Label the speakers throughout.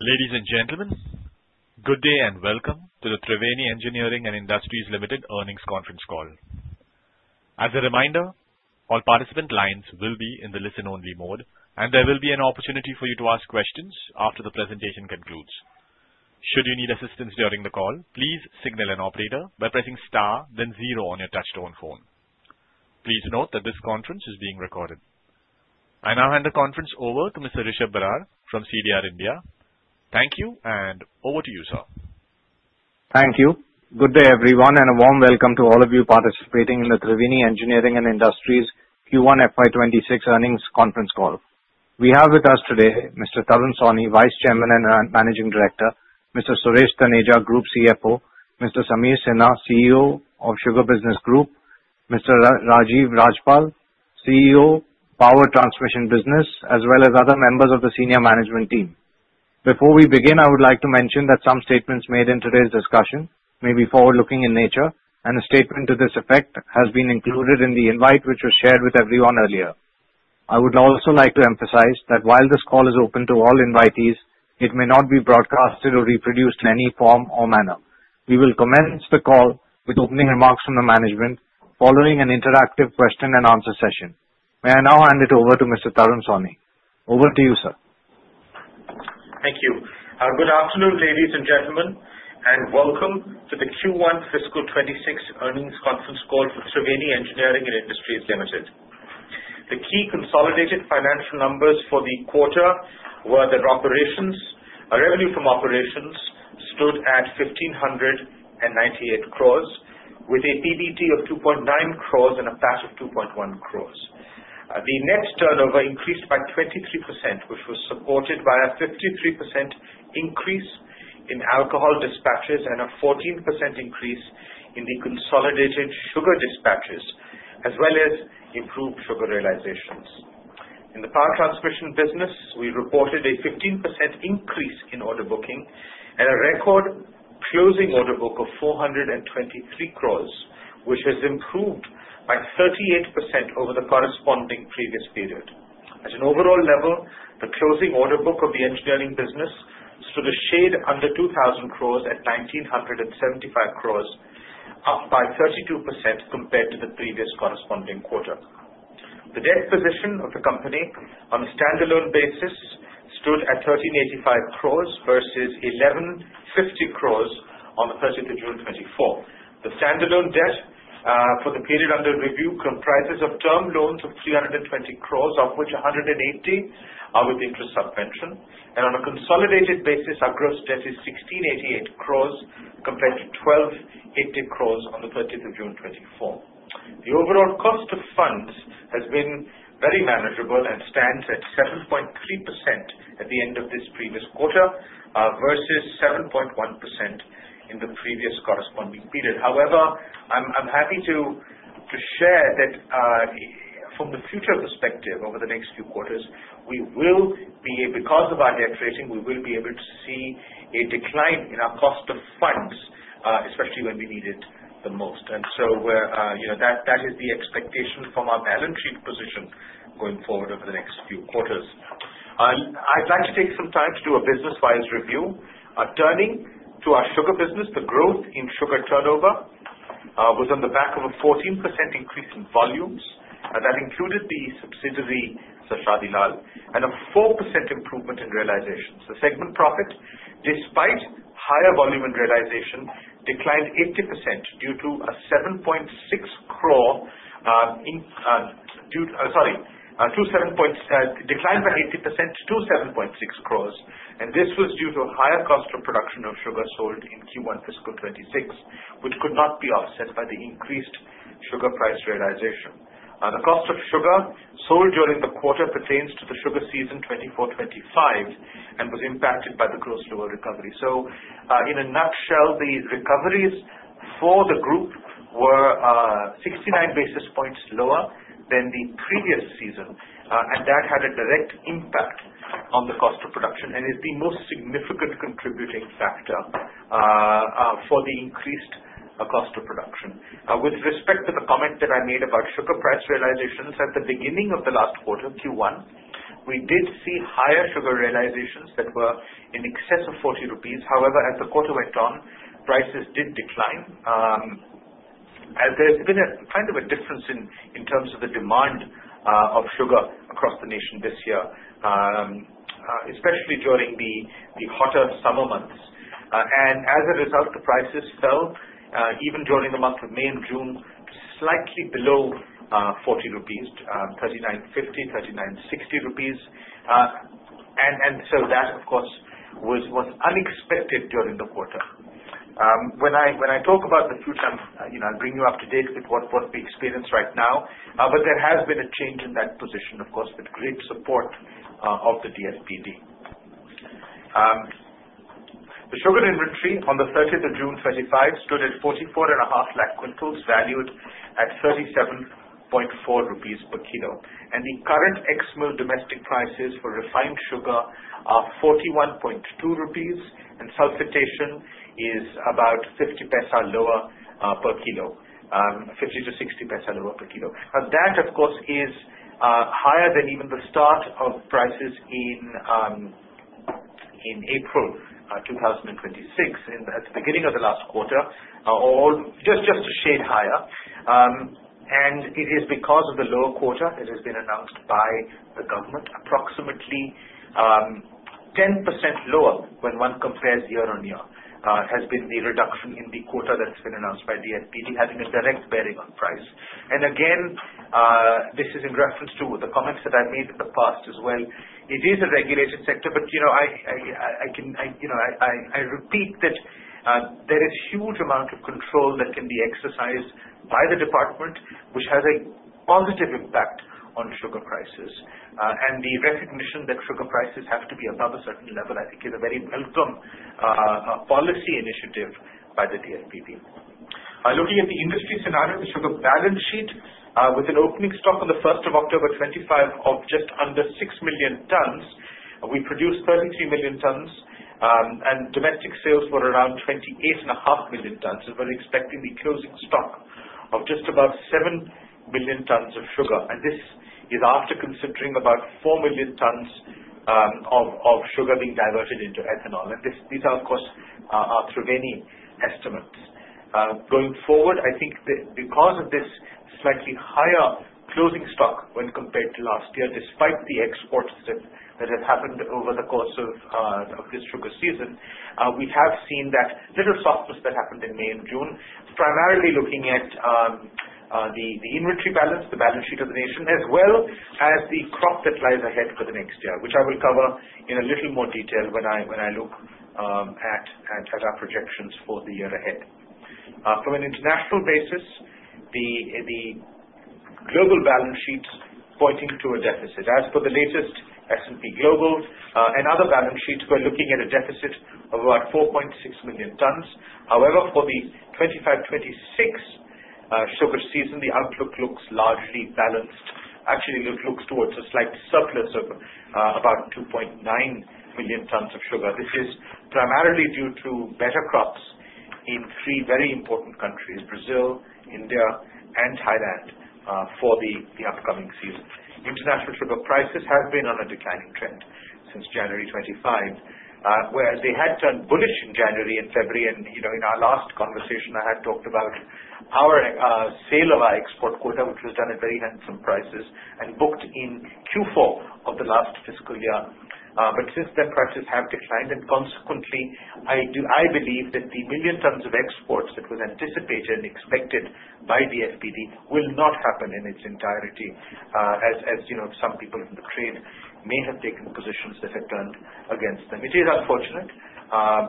Speaker 1: Ladies and gentlemen, good day and welcome to the Triveni Engineering & Industries Limited Earnings Conference Call. As a reminder, all participant lines will be in the listen-only mode, and there will be an opportunity for you to ask questions after the presentation concludes. Should you need assistance during the call, please signal an operator by pressing star, then zero on your touch-tone phone. Please note that this conference is being recorded. I now hand the conference over to Mr. Rishab Barar from CDR India. Thank you, and over to you, sir.
Speaker 2: Thank you. Good day, everyone, and a warm welcome to all of you participating in the Triveni Engineering & Industries Q1 FY26 Earnings Conference Call. We have with us today Mr. Tarun Sawhney, Vice Chairman and Managing Director, Mr. Suresh Taneja, Group CFO, Mr. Sameer Sinha, CEO of Sugar Business Group, Mr. Rajiv Rajpal, CEO, Power Transmission Business, as well as other members of the senior management team. Before we begin, I would like to mention that some statements made in today's discussion may be forward-looking in nature, and a statement to this effect has been included in the invite which was shared with everyone earlier. I would also like to emphasize that while this call is open to all invitees, it may not be broadcasted or reproduced in any form or manner. We will commence the call with opening remarks from the management, following an interactive question-and-answer session. May I now hand it over to Mr. Tarun Sawhney? Over to you, sir.
Speaker 3: Thank you. Good afternoon, ladies and gentlemen, and welcome to the Q1 Fiscal 26 earnings conference call for Triveni Engineering & Industries Limited. The key consolidated financial numbers for the quarter were that revenue from operations stood at 1,598 crores, with a PBT of 2.9 crores and a PAT of 2.1 crores. The net turnover increased by 23%, which was supported by a 53% increase in alcohol dispatches and a 14% increase in the consolidated sugar dispatches, as well as improved sugar realizations. In the Power Transmission Business, we reported a 15% increase in order booking and a record closing order book of 423 crores, which has improved by 38% over the corresponding previous period. At an overall level, the closing order book of the engineering business stood a shade under 2,000 crores at 1,975 crores, up by 32% compared to the previous corresponding quarter. The debt position of the company on a standalone basis stood at 1,385 crores versus 1,150 crores on the 30th of June 2024. The standalone debt for the period under review comprises of term loans of 320 crores, of which 180 are with interest subvention, and on a consolidated basis, our gross debt is 1,688 crores compared to 1,280 crores on the 30th of June 2024. The overall cost of funds has been very manageable and stands at 7.3% at the end of this previous quarter versus 7.1% in the previous corresponding period. However, I'm happy to share that from the future perspective, over the next few quarters, because of our debt rating, we will be able to see a decline in our cost of funds, especially when we need it the most. That is the expectation from our balance sheet position going forward over the next few quarters. I'd like to take some time to do a business-wise review. Turning to our sugar business, the growth in sugar turnover was on the back of a 14% increase in volumes, and that included the subsidiary, Sir Shadi Lal, and a 4% improvement in realizations. The segment profit, despite higher volume and realization, declined 80% due to a 7.6 crore, sorry, declined by 80% to 7.6 crores. This was due to a higher cost of production of sugar sold in Q1 Fiscal 26, which could not be offset by the increased sugar price realization. The cost of sugar sold during the quarter pertains to the sugar season 2024-25 and was impacted by the lower gross recovery. In a nutshell, the recoveries for the group were 69 basis points lower than the previous season, and that had a direct impact on the cost of production and is the most significant contributing factor for the increased cost of production. With respect to the comment that I made about sugar price realizations, at the beginning of the last quarter, Q1, we did see higher sugar realizations that were in excess of 40 rupees. However, as the quarter went on, prices did decline. There's been a kind of a difference in terms of the demand of sugar across the nation this year, especially during the hotter summer months. And as a result, the prices fell even during the month of May and June slightly below 40 rupees, 39.50 rupees, 3.960 rupees. And so that, of course, was unexpected during the quarter. When I talk about the future, I'll bring you up to date with what we experience right now, but there has been a change in that position, of course, with great support of the DFPD. The sugar inventory on the 30th of June 2025 stood at 44.5 lakh quintals, valued at 37.4 rupees per kilo, and the current ex-mill domestic prices for refined sugar are 41.2 rupees, and sulfitation is about 0.5 lower per kilo, 0.5-0.6 lower per kilo. Now, that, of course, is higher than even the start of prices in April 2026, at the beginning of the last quarter, just a shade higher. It is because of the lower quota that has been announced by the government, approximately 10% lower when one compares year-on-year, has been the reduction in the quota that's been announced by DFPD, having a direct bearing on price. Again, this is in reference to the comments that I've made in the past as well. It is a regulated sector, but I repeat that there is a huge amount of control that can be exercised by the department, which has a positive impact on sugar prices. The recognition that sugar prices have to be above a certain level, I think, is a very welcome policy initiative by the DFPD. Looking at the industry scenario, the sugar balance sheet, with an opening stock on the 1st of October 2025 of just under 6 million tons, we produced 33 million tons, and domestic sales were around 28.5 million tons. We're expecting the closing stock of just about 7 million tons of sugar. And this is after considering about 4 million tons of sugar being diverted into ethanol. And these, of course, are Triveni estimates. Going forward, I think because of this slightly higher closing stock when compared to last year, despite the exports that have happened over the course of this sugar season, we have seen that little softness that happened in May and June, primarily looking at the inventory balance, the balance sheet of the nation, as well as the crop that lies ahead for the next year, which I will cover in a little more detail when I look at our projections for the year ahead. From an international basis, the global balance sheet's pointing to a deficit. As per the latest S&P Global and other balance sheets, we're looking at a deficit of about 4.6 million tons. However, for the 25-26 sugar season, the outlook looks largely balanced. Actually, it looks towards a slight surplus of about 2.9 million tons of sugar. This is primarily due to better crops in three very important countries, Brazil, India, and Thailand, for the upcoming season. International sugar prices have been on a declining trend since January 25, whereas they had turned bullish in January and February, and in our last conversation, I had talked about our sale of our export quota, which was done at very handsome prices and booked in Q4 of the last fiscal year, but since then, prices have declined, and consequently, I believe that the million tons of exports that was anticipated and expected by DFPD will not happen in its entirety, as some people in the trade may have taken positions that have turned against them. It is unfortunate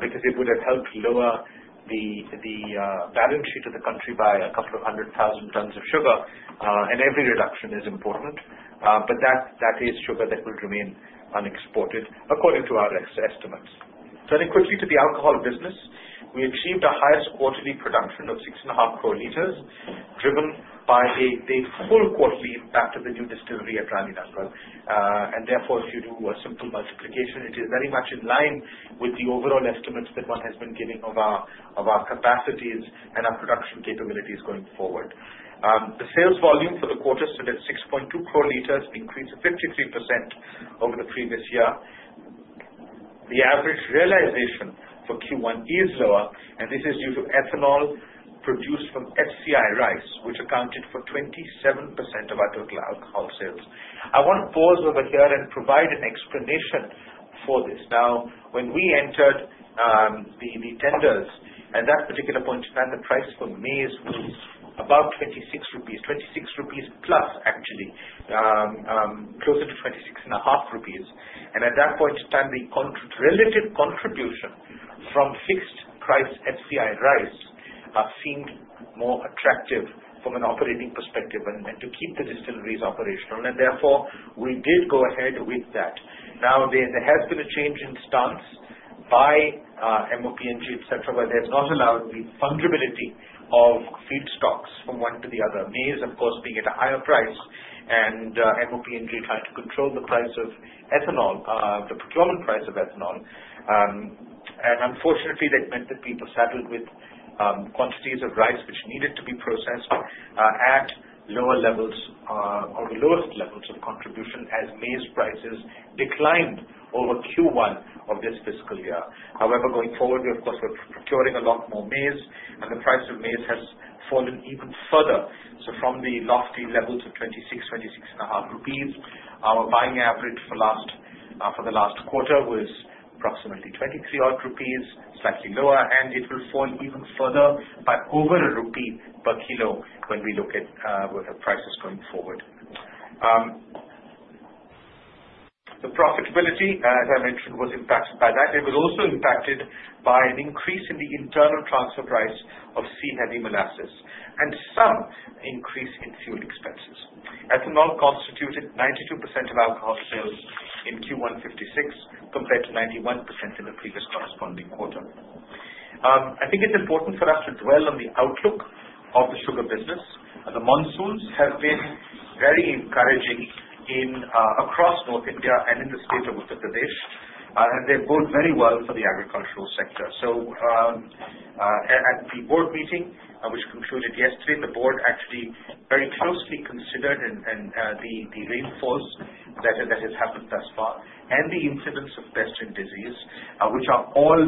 Speaker 3: because it would have helped lower the balance sheet of the country by a couple of hundred thousand tons of sugar, and every reduction is important. But that is sugar that will remain unexported, according to our estimates. Turning quickly to the alcohol business, we achieved our highest quarterly production of 6.5 crore liters, driven by the full quarterly impact of the new distillery at Rani Nangal. And therefore, if you do a simple multiplication, it is very much in line with the overall estimates that one has been giving of our capacities and our production capabilities going forward. The sales volume for the quarter stood at 6.2 crore liters, an increase of 53% over the previous year. The average realization for Q1 is lower, and this is due to ethanol produced from FCI rice, which accounted for 27% of our total alcohol sales. I want to pause over here and provide an explanation for this. Now, when we entered the tenders, at that particular point in time, the price for maize was about 26 rupees, 26+ rupees, actually, closer to 26.5 rupees. And at that point in time, the relative contribution from fixed price FCI rice seemed more attractive from an operating perspective and to keep the distilleries operational. And therefore, we did go ahead with that. Now, there has been a change in stance by MOPNG, etc., where they have not allowed the fungibility of feed stocks from one to the other, maize, of course, being at a higher price, and MOPNG trying to control the price of ethanol, the procurement price of ethanol. And unfortunately, that meant that people settled with quantities of rice which needed to be processed at lower levels or the lowest levels of contribution as maize prices declined over Q1 of this fiscal year. However, going forward, we're, of course, procuring a lot more maize, and the price of maize has fallen even further. So from the lofty levels of 26, 26 and a half rupees, our buying average for the last quarter was approximately 23 odd rupees, slightly lower, and it will fall even further by over a rupee per kilo when we look at prices going forward. The profitability, as I mentioned, was impacted by that. It was also impacted by an increase in the internal transfer price of C-heavy molasses and some increase in fuel expenses. Ethanol constituted 92% of alcohol sales in Q1 FY 26 compared to 91% in the previous corresponding quarter. I think it's important for us to dwell on the outlook of the sugar business. The monsoons have been very encouraging across North India and in the state of Uttar Pradesh, and they've boded very well for the agricultural sector, so at the board meeting, which concluded yesterday, the board actually very closely considered the rainfalls that have happened thus far and the incidence of pests and disease, which are all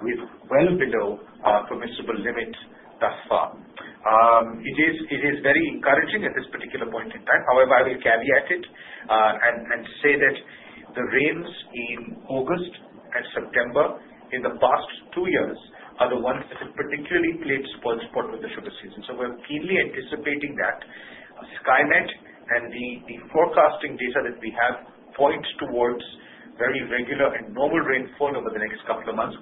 Speaker 3: well below our permissible limit thus far. It is very encouraging at this particular point in time. However, I will caveat it and say that the rains in August and September in the past two years are the ones that have particularly played support with the sugar season, so we're keenly anticipating that. Skymet and the forecasting data that we have points towards very regular and normal rainfall over the next couple of months,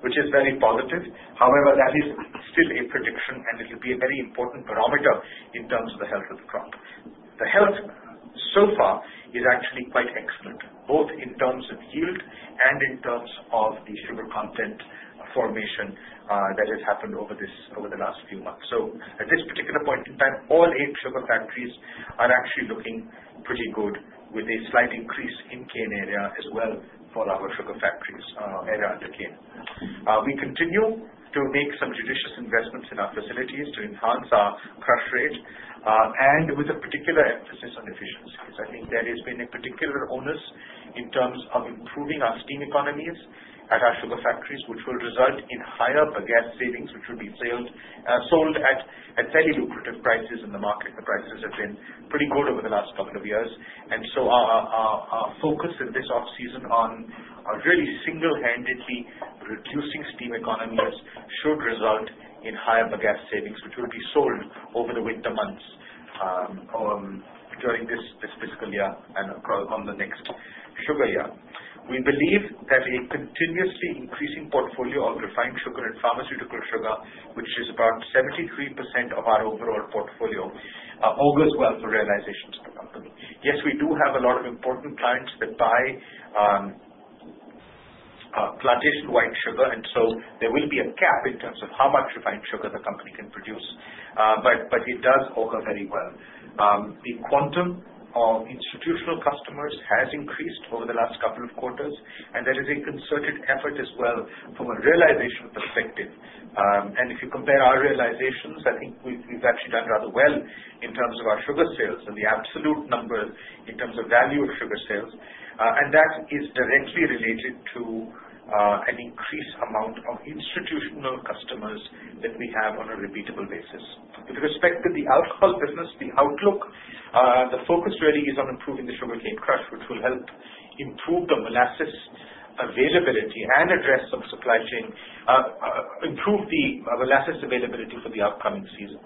Speaker 3: which is very positive. However, that is still a prediction, and it will be a very important parameter in terms of the health of the crop. The health so far is actually quite excellent, both in terms of yield and in terms of the sugar content formation that has happened over the last few months, so at this particular point in time, all eight sugar factories are actually looking pretty good, with a slight increase in cane area as well for our sugar factories area under cane. We continue to make some judicious investments in our facilities to enhance our crush rate and with a particular emphasis on efficiencies. I think there has been a particular onus in terms of improving our steam economies at our sugar factories, which will result in higher bagasse savings, which will be sold at fairly lucrative prices in the market. The prices have been pretty good over the last couple of years, and so our focus in this off-season on really single-handedly reducing steam economies should result in higher bagasse savings, which will be sold over the winter months during this fiscal year and on the next sugar year. We believe that a continuously increasing portfolio of refined sugar and pharmaceutical sugar, which is about 73% of our overall portfolio, augurs well for realizations of the company. Yes, we do have a lot of important clients that buy plantation-white sugar, and so there will be a cap in terms of how much refined sugar the company can produce, but it does augur very well. The quantum of institutional customers has increased over the last couple of quarters, and there is a concerted effort as well from a realization perspective. If you compare our realizations, I think we've actually done rather well in terms of our sugar sales and the absolute numbers in terms of value of sugar sales, and that is directly related to an increased amount of institutional customers that we have on a repeatable basis. With respect to the alcohol business, the outlook, the focus really is on improving the sugarcane crush, which will help improve the molasses availability and address some supply chain, improve the molasses availability for the upcoming season.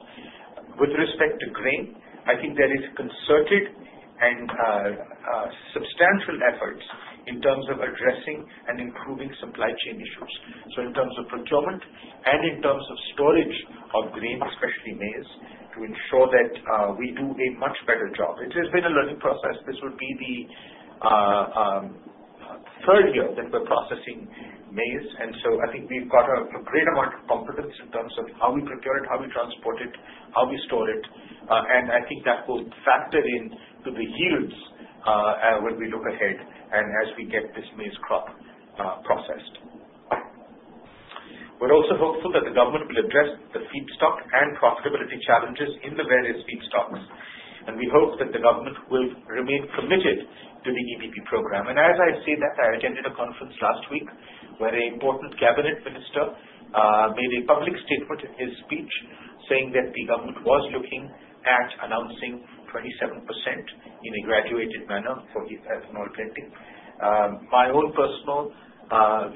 Speaker 3: With respect to grain, I think there is concerted and substantial efforts in terms of addressing and improving supply chain issues, so in terms of procurement and in terms of storage of grain, especially maize, to ensure that we do a much better job. It has been a learning process. This would be the third year that we're processing maize. And so I think we've got a great amount of confidence in terms of how we procure it, how we transport it, how we store it. And I think that will factor into the yields when we look ahead and as we get this maize crop processed. We're also hopeful that the government will address the feed stock and profitability challenges in the various feed stocks, and we hope that the government will remain committed to the EBP program. And as I say that, I attended a conference last week where an important cabinet minister made a public statement in his speech saying that the government was looking at announcing 27% in a graduated manner for ethanol blending. My own personal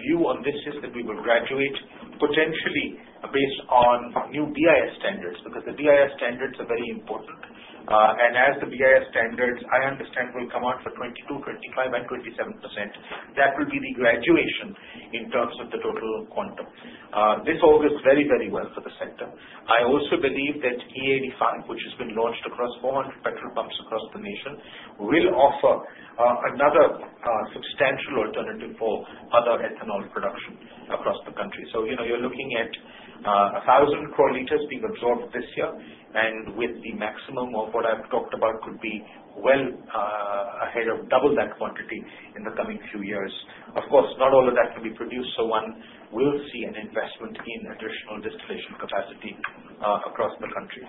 Speaker 3: view on this is that we will graduate potentially based on new BIS standards because the BIS standards are very important. As the BIS standards, I understand, will come out for 22%, 25%, and 27%. That will be the graduation in terms of the total quantum. This augurs very, very well for the sector. I also believe that E85, which has been launched across 400 petrol pumps across the nation, will offer another substantial alternative for other ethanol production across the country. So you're looking at 1,000 crore litres being absorbed this year, and with the maximum of what I've talked about, could be well ahead of double that quantity in the coming few years. Of course, not all of that can be produced, so one will see an investment in additional distillation capacity across the country.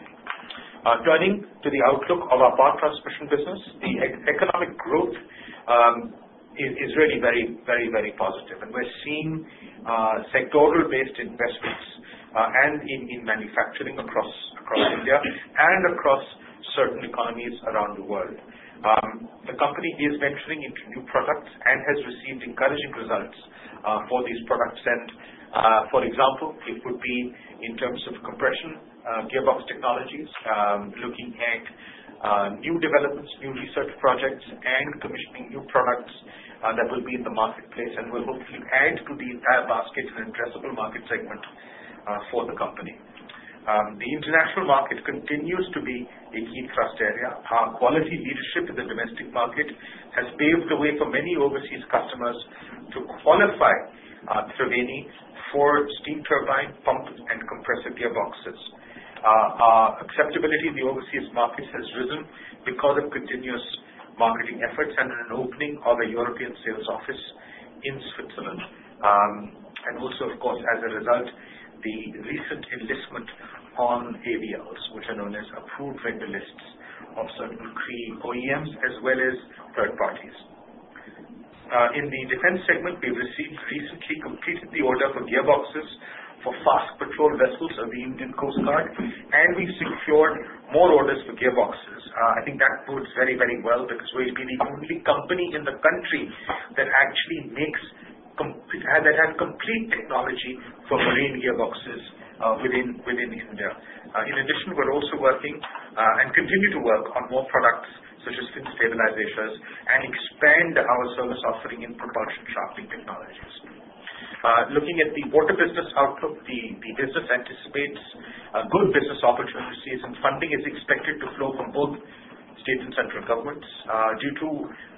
Speaker 3: Turning to the outlook of our Power Transmission Business, the economic growth is really very, very, very positive. We're seeing sectoral-based investments in manufacturing across India and across certain economies around the world. The company is venturing into new products and has received encouraging results for these products. For example, it would be in terms of compression gearbox technologies, looking at new developments, new research projects, and commissioning new products that will be in the marketplace and will hopefully add to the entire basket and addressable market segment for the company. The international market continues to be a key trust area. Our quality leadership in the domestic market has paved the way for many overseas customers to qualify through Triveni for steam turbine pump and compressor gearboxes. Acceptability in the overseas markets has risen because of continuous marketing efforts and an opening of a European sales office in Switzerland. And also, of course, as a result, the recent enlistment on AVLs, which are known as approved vendor lists of certain key OEMs, as well as third parties. In the defense segment, we've recently completed the order for gearboxes for Fast Patrol Vessels of the Indian Coast Guard, and we've secured more orders for gearboxes. I think that bodes very, very well because we'll be the only company in the country that actually has complete technology for marine gearboxes within India. In addition, we're also working and continue to work on more products such as stabilisations and expand our service offering in propulsion shafting technologies. Looking at the water business outlook, the business anticipates good business opportunities, and funding is expected to flow from both state and central governments. Due to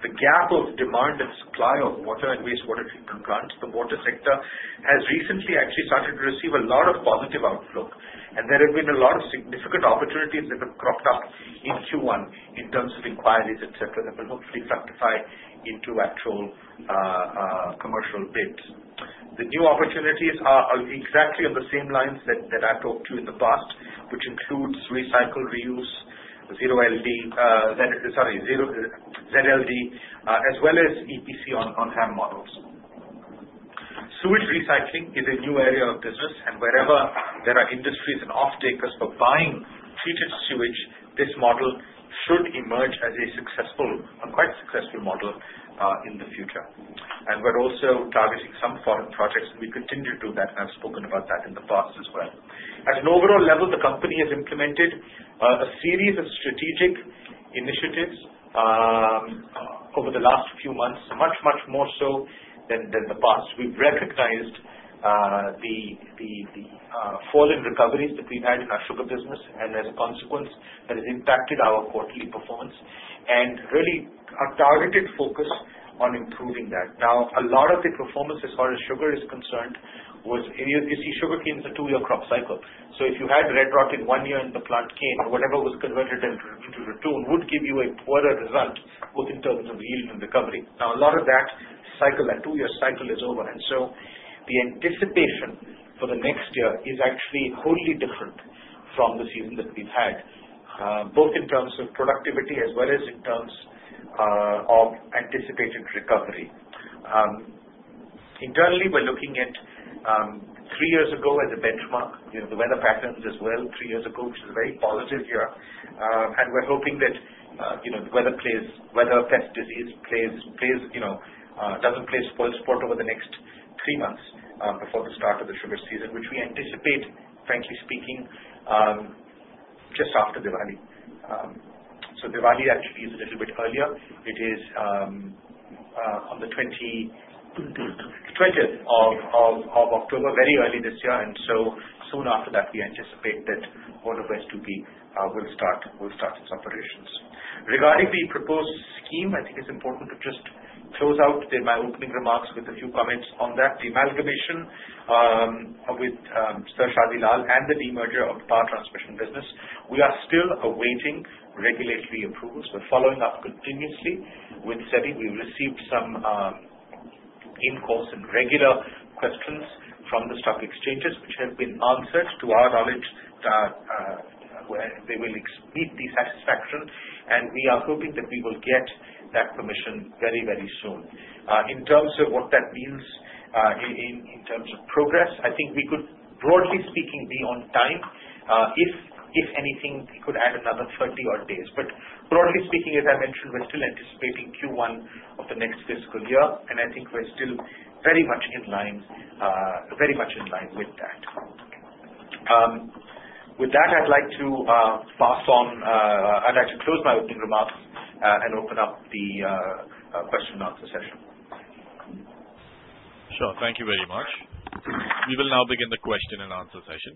Speaker 3: the gap of demand and supply of water and wastewater treatment plants, the water sector has recently actually started to receive a lot of positive outlook, and there have been a lot of significant opportunities that have cropped up in Q1 in terms of inquiries, etc., that will hopefully fructify into actual commercial bids. The new opportunities are exactly on the same lines that I've talked to you in the past, which includes recycle, reuse, ZLD, as well as EPC on HAM models. Sewage recycling is a new area of business, and wherever there are industries and off-takers for buying treated sewage, this model should emerge as a quite successful model in the future. We're also targeting some foreign projects, and we continue to do that, and I've spoken about that in the past as well. At an overall level, the company has implemented a series of strategic initiatives over the last few months, much, much more so than the past. We've recognized the fall in recoveries that we've had in our sugar business, and as a consequence, that has impacted our quarterly performance and really a targeted focus on improving that. Now, a lot of the performance as far as sugar is concerned was. You see, sugar canes are a two-year crop cycle. So if you had red rot in one year and the plant cane or whatever was converted into ratoon would give you a poorer result both in terms of yield and recovery. Now, a lot of that cycle, that two-year cycle, is over. The anticipation for the next year is actually wholly different from the season that we've had, both in terms of productivity as well as in terms of anticipated recovery. Internally, we're looking at three years ago as a benchmark, the weather patterns as well three years ago, which is a very positive year. We're hoping that the weather plays out, whether pest disease plays out, doesn't play spoilsport over the next three months before the start of the sugar season, which we anticipate, frankly speaking, just after Diwali. Diwali actually is a little bit earlier. It is on the 20th of October, very early this year. Soon after that, we anticipate that mills of West UP will start its operations. Regarding the proposed scheme, I think it's important to just close out my opening remarks with a few comments on that. The amalgamation with Sir Shadi Lal and the demerger of the Power Transmission Business, we are still awaiting regulatory approvals. We're following up continuously with SEBI. We've received some in-principle and regular questions from the stock exchanges, which have been answered to our knowledge that they will meet the satisfaction, and we are hoping that we will get that permission very, very soon. In terms of what that means in terms of progress, I think we could, broadly speaking, be on time. If anything, we could add another 30-odd days, but broadly speaking, as I mentioned, we're still anticipating Q1 of the next fiscal year, and I think we're still very much in line, very much in line with that. With that, I'd like to pass on. I'd like to close my opening remarks and open up the question-and-answer session.
Speaker 1: Sure. Thank you very much. We will now begin the question-and-answer session.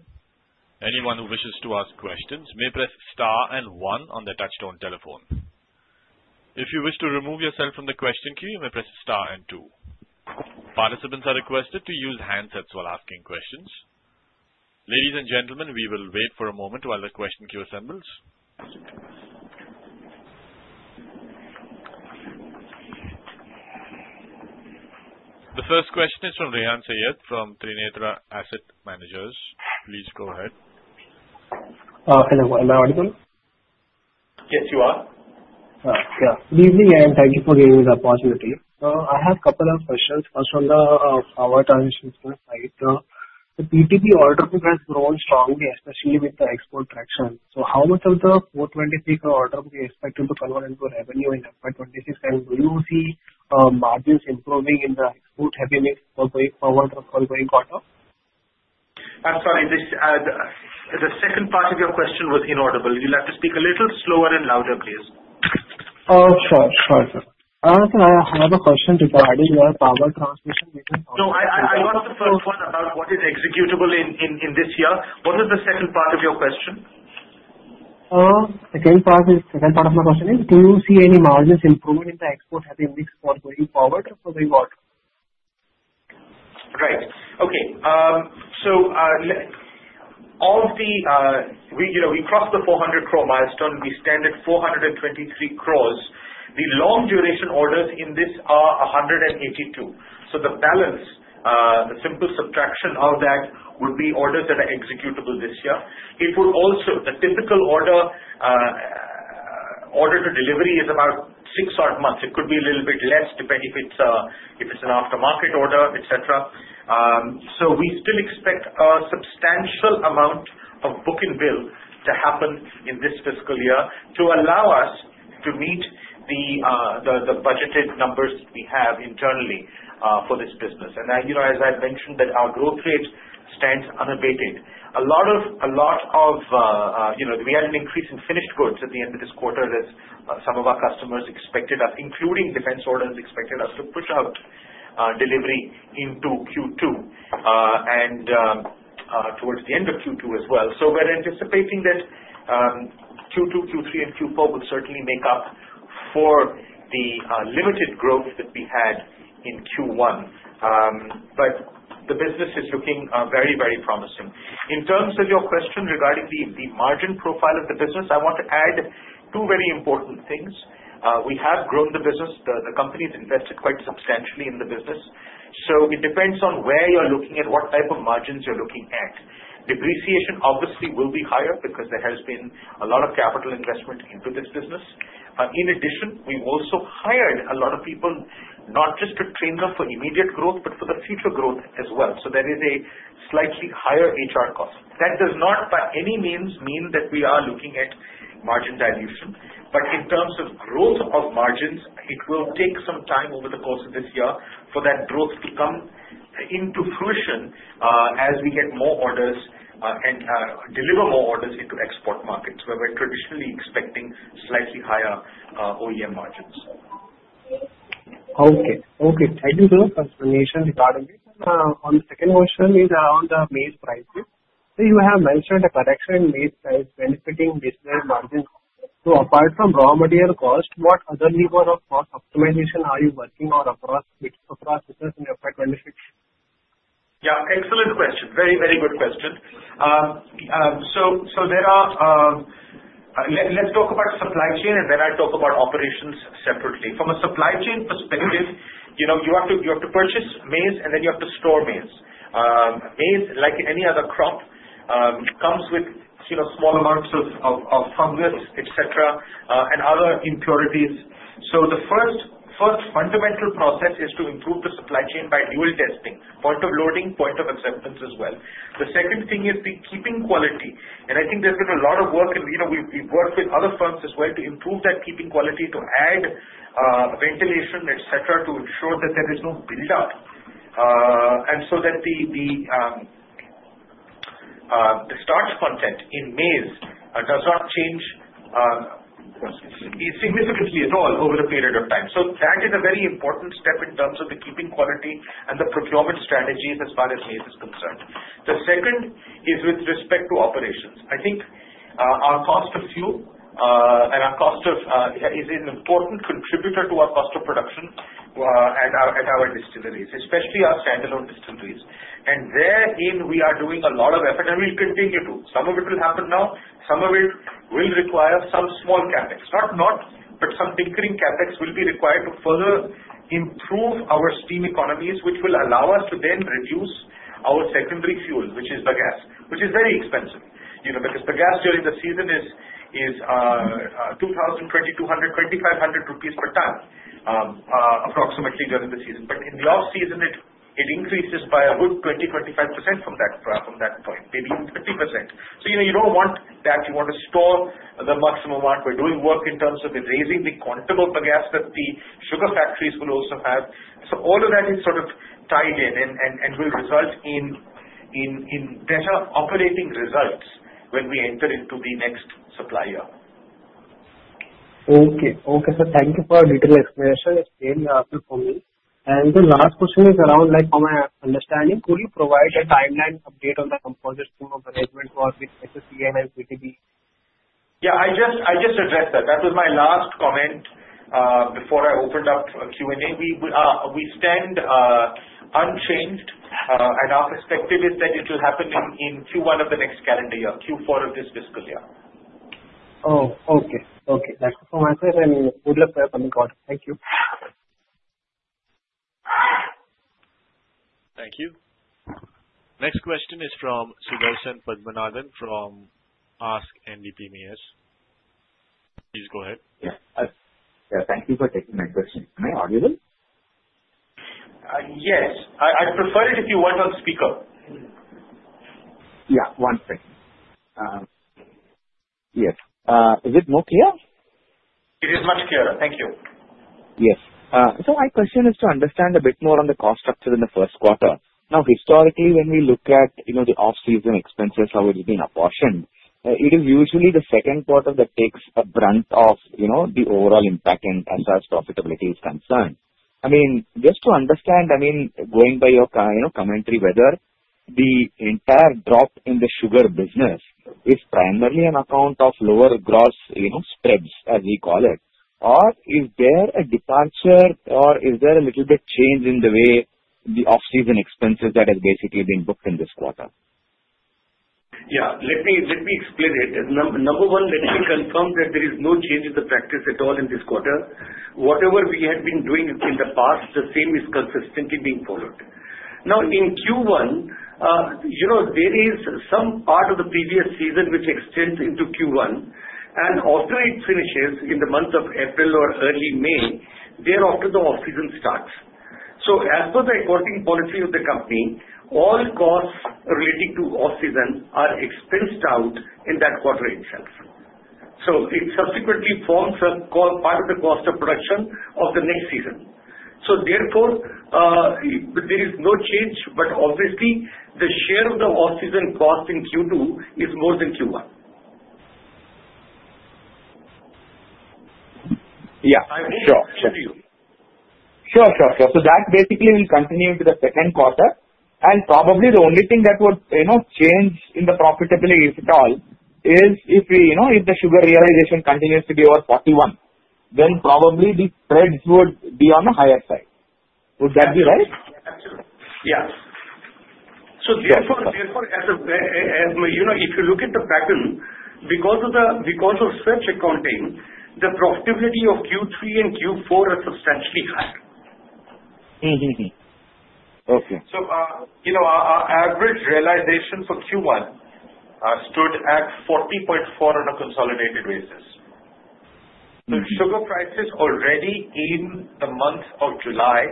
Speaker 1: Anyone who wishes to ask questions may press star and one on the touch-tone telephone. If you wish to remove yourself from the question queue, you may press star and two. Participants are requested to use handsets while asking questions. Ladies and gentlemen, we will wait for a moment while the question queue assembles. The first question is from Rehan Saiyyed from Trinetra Asset Managers. Please go ahead.
Speaker 4: Hello. Am I audible?
Speaker 3: Yes, you are.
Speaker 4: Yeah. Good evening, and thank you for giving me the opportunity. I have a couple of questions. First, on the power transmission side, the PTB order book has grown strongly, especially with the export traction. So how much of the 423 crore order book is expected to convert into revenue in FY 26? And do you see margins improving in the export heavy mix for going forward or for going quarter?
Speaker 3: I'm sorry. The second part of your question was inaudible. You'll have to speak a little slower and louder, please.
Speaker 4: Sure. Sure. Sure. I have another question regarding your Power Transmission Business.
Speaker 3: No, I asked the first one about what is executable in this year. What was the second part of your question?
Speaker 4: The second part of my question is, do you see any margins improving in the export heavy mix for going forward or for going quarter?
Speaker 3: Right. Okay. So of the we crossed the 400 crore milestone. We stand at 423 crores. The long-duration orders in this are 182. So the balance, the simple subtraction of that would be orders that are executable this year. It would also the typical order to delivery is about six odd months. It could be a little bit less depending if it's an aftermarket order, etc. So we still expect a substantial amount of book and bill to happen in this fiscal year to allow us to meet the budgeted numbers we have internally for this business. And as I've mentioned, our growth rate stands unabated. A lot of we had an increase in finished goods at the end of this quarter, as some of our customers expected us, including defense orders expected us to push out delivery into Q2 and towards the end of Q2 as well. So we're anticipating that Q2, Q3, and Q4 would certainly make up for the limited growth that we had in Q1. But the business is looking very, very promising. In terms of your question regarding the margin profile of the business, I want to add two very important things. We have grown the business. The company has invested quite substantially in the business. So it depends on where you're looking at, what type of margins you're looking at. Depreciation obviously will be higher because there has been a lot of capital investment into this business. In addition, we've also hired a lot of people not just to train them for immediate growth, but for the future growth as well. So there is a slightly higher HR cost. That does not by any means mean that we are looking at margin dilution. But in terms of growth of margins, it will take some time over the course of this year for that growth to come into fruition as we get more orders and deliver more orders into export markets where we're traditionally expecting slightly higher OEM margins.
Speaker 4: Okay. Okay. Thank you for your explanation regarding this. The second question is around the maize prices. You have mentioned a correction in maize price benefiting business margins. So apart from raw material cost, what other level of cost optimization are you working on across business in FY 26?
Speaker 3: Yeah. Excellent question. Very, very good question. Let's talk about supply chain, and then I'll talk about operations separately. From a supply chain perspective, you have to purchase maize, and then you have to store maize. Maize, like any other crop, comes with small amounts of fungus, etc., and other impurities. So the first fundamental process is to improve the supply chain by dual testing: point of loading, point of acceptance as well. The second thing is the keeping quality. I think there's been a lot of work, and we've worked with other firms as well to improve that keeping quality, to add ventilation, etc., to ensure that there is no buildup and so that the starch content in maize does not change significantly at all over the period of time. So that is a very important step in terms of the keeping quality and the procurement strategies as far as maize is concerned. The second is with respect to operations. I think our cost of fuel and our cost of enzymes is an important contributor to our cost of production at our distilleries, especially our standalone distilleries. And therein, we are doing a lot of effort, and we'll continue to. Some of it will happen now. Some of it will require some small CapEx. Not not, but some tinkering CapEx will be required to further improve our steam economies, which will allow us to then reduce our secondary fuel, which is the gas, which is very expensive because the gas during the season is 2,200-2,500 rupees per ton, approximately during the season. But in the off-season, it increases by a good 20%-25% from that point, maybe even 50%. So you don't want that. You want to store the maximum amount. We're doing work in terms of raising the quantum of the gas that the sugar factories will also have. So all of that is sort of tied in and will result in better operating results when we enter into the next supply year.
Speaker 4: Okay. Okay. So thank you for your detailed explanation. It's very helpful for me. And the last question is around my understanding. Could you provide a timeline update on the composite scheme of arrangement for SSEL and PTB?
Speaker 3: Yeah. I just addressed that. That was my last comment before I opened up Q&A. We stand unchanged, and our perspective is that it will happen in Q1 of the next calendar year, Q4 of this fiscal year.
Speaker 4: Oh, okay. Okay. Thank you so much. I mean, good luck for your coming call. Thank you.
Speaker 1: Thank you. Next question is from Sudarshan Padmanabhan from ASK Investment Managers. Please go ahead.
Speaker 5: Yeah. Thank you for taking my question. Am I audible?
Speaker 3: Yes. I prefer it if you weren't on speaker.
Speaker 5: Yeah. One second. Yes. Is it more clear?
Speaker 3: It is much clearer. Thank you.
Speaker 5: Yes. So my question is to understand a bit more on the cost structure in the first quarter. Now, historically, when we look at the off-season expenses, how it has been apportioned, it is usually the second quarter that takes a brunt of the overall impact in as far as profitability is concerned. I mean, just to understand, I mean, going by your commentary, whether the entire drop in the sugar business is primarily an account of lower gross spreads, as we call it, or is there a departure, or is there a little bit change in the way the off-season expenses that have basically been booked in this quarter?
Speaker 3: Yeah. Let me explain it. Number one, let me confirm that there is no change in the practice at all in this quarter. Whatever we had been doing in the past, the same is consistently being followed. Now, in Q1, there is some part of the previous season which extends into Q1. And after it finishes in the month of April or early May, thereafter, the off-season starts. So as per the accounting policy of the company, all costs relating to off-season are expensed out in that quarter itself. So it subsequently forms a part of the cost of production of the next season. So therefore, there is no change, but obviously, the share of the off-season cost in Q2 is more than Q1.
Speaker 5: Yeah. Sure. Sure. Sure. Sure. Sure. So that basically will continue into the second quarter. And probably the only thing that would change in the profitability if at all is if the sugar realization continues to be over 41, then probably the spreads would be on the higher side. Would that be right?
Speaker 3: Yeah. Absolutely. Yeah. So therefore, as if you look at the pattern, because of such accounting, the profitability of Q3 and Q4 are substantially higher. Okay. So our average realization for Q1 stood at 40.4 on a consolidated basis. The sugar prices already in the month of July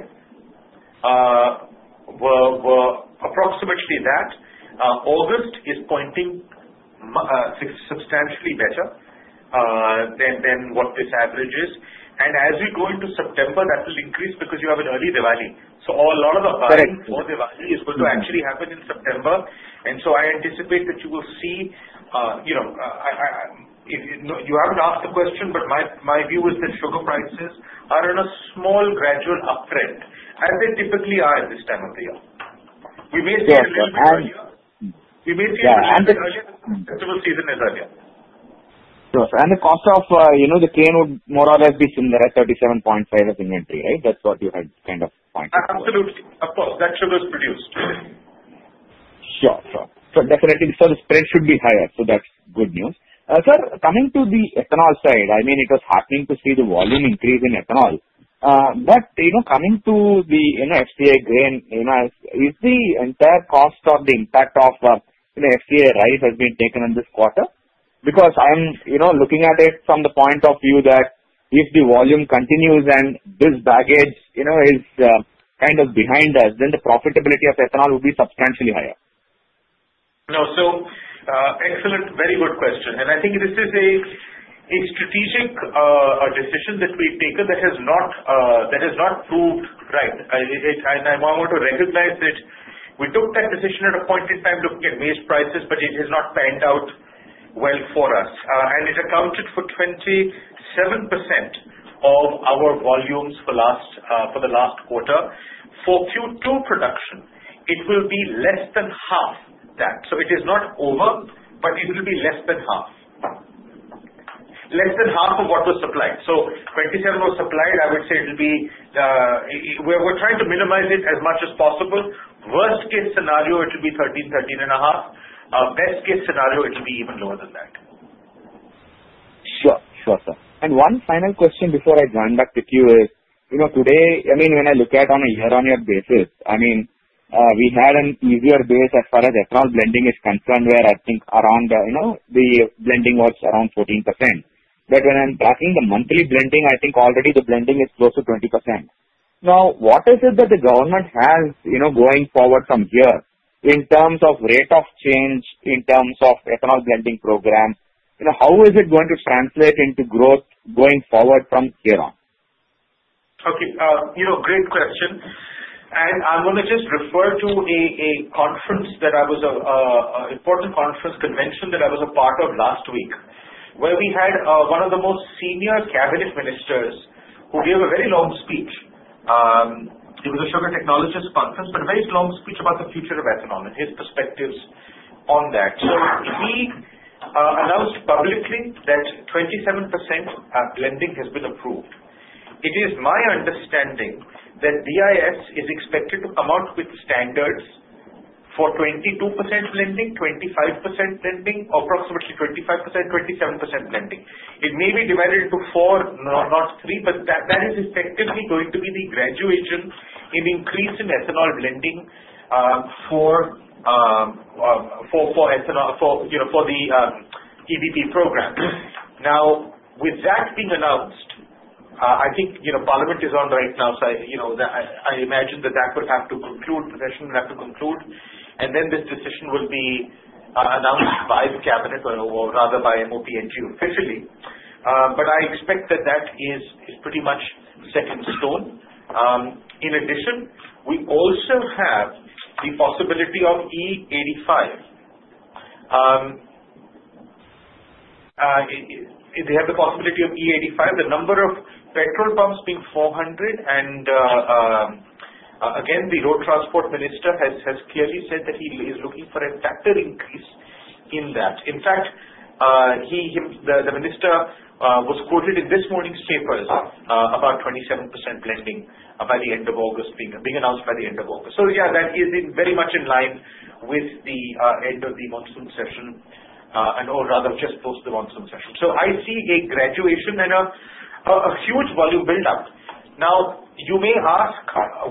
Speaker 3: were approximately that. August is pointing substantially better than what this average is. And as we go into September, that will increase because you have an early Diwali. So a lot of the part of Diwali is going to actually happen in September. And so I anticipate that you will see. You haven't asked the question, but my view is that sugar prices are on a small gradual uptrend, as they typically are at this time of the year. We basically look at the year. Yeah. And the festive season is earlier.
Speaker 5: Sure. And the cost of the cane would more or less be similar at 37.5 ex-inventory, right? That's what you had kind of pointed out.
Speaker 3: Absolutely. Of course. That sugar is produced.
Speaker 5: Sure. Sure. So definitely, so the spread should be higher. So that's good news. Sir, coming to the ethanol side, I mean, it was heartening to see the volume increase in ethanol. But coming to the FCI grain, is the entire cost of the impact of FCI rice has been taken in this quarter? Because I'm looking at it from the point of view that if the volume continues and this baggage is kind of behind us, then the profitability of ethanol will be substantially higher.
Speaker 3: No. So excellent. Very good question. And I think this is a strategic decision that we've taken that has not proved right. And I want to recognize that we took that decision at a point in time looking at maize prices, but it has not panned out well for us. It accounted for 27% of our volumes for the last quarter. For Q2 production, it will be less than half that. It is not over, but it will be less than half. Less than half of what was supplied. 27% was supplied. I would say it will be. We're trying to minimize it as much as possible. Worst-case scenario, it will be 13%-13.5%. Best-case scenario, it will be even lower than that.
Speaker 5: Sure. Sure. Sure. One final question before I join back with you is today, I mean, when I look at on a year-on-year basis, I mean, we had an easier base as far as ethanol blending is concerned, where I think around the blending was around 14%. When I'm tracking the monthly blending, I think already the blending is close to 20%. Now, what is it that the government has going forward from here in terms of rate of change, in terms of ethanol blending program? How is it going to translate into growth going forward from here on?
Speaker 3: Okay. Great question. I'm going to just refer to an important conference convention that I was a part of last week, where we had one of the most senior cabinet ministers who gave a very long speech. It was a sugar technologist conference, but a very long speech about the future of ethanol and his perspectives on that. He announced publicly that 27% blending has been approved. It is my understanding that BIS is expected to come out with standards for 22% blending, 25% blending, approximately 25%, 27% blending. It may be divided into four, not three, but that is effectively going to be the graduation in increase in ethanol blending for the EBP program. Now, with that being announced, I think Parliament is on right now. So I imagine that that will have to conclude, the session will have to conclude, and then this decision will be announced by the cabinet or rather by MOPNG officially. But I expect that that is pretty much set in stone. In addition, we also have the possibility of E85. They have the possibility of E85, the number of petrol pumps being 400. And again, the road transport minister has clearly said that he is looking for a factor increase in that. In fact, the minister was quoted in this morning's papers about 27% blending by the end of August, being announced by the end of August. Yeah, that is very much in line with the end of the monsoon season and/or rather just post the monsoon season. I see a graduation and a huge volume buildup. Now, you may ask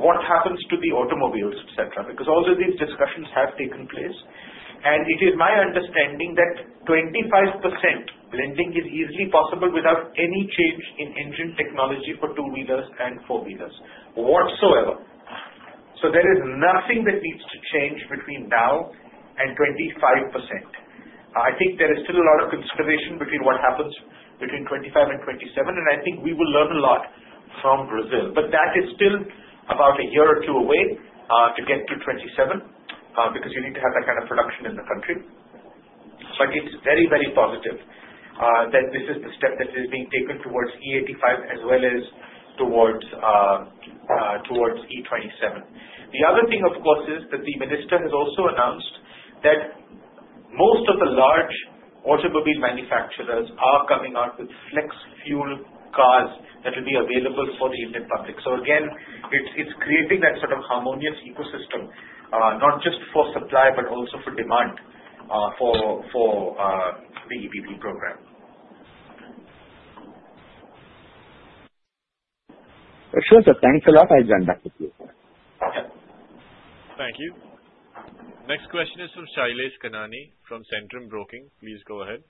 Speaker 3: what happens to the automobiles, etc., because all of these discussions have taken place. It is my understanding that 25% blending is easily possible without any change in engine technology for two-wheelers and four-wheelers whatsoever. There is nothing that needs to change between now and 25%. I think there is still a lot of consideration between what happens between 25% and 27%, and I think we will learn a lot from Brazil. That is still about a year or two away to get to 27% because you need to have that kind of production in the country. But it's very, very positive that this is the step that is being taken towards E85 as well as towards E27. The other thing, of course, is that the minister has also announced that most of the large automobile manufacturers are coming out with flex fuel cars that will be available for the Indian public. So again, it's creating that sort of harmonious ecosystem, not just for supply, but also for demand for the EBP program.
Speaker 5: Sure. Sure. Thanks a lot. I'll join back with you.
Speaker 1: Thank you. Next question is from Shailesh Kanani from Centrum Broking. Please go ahead.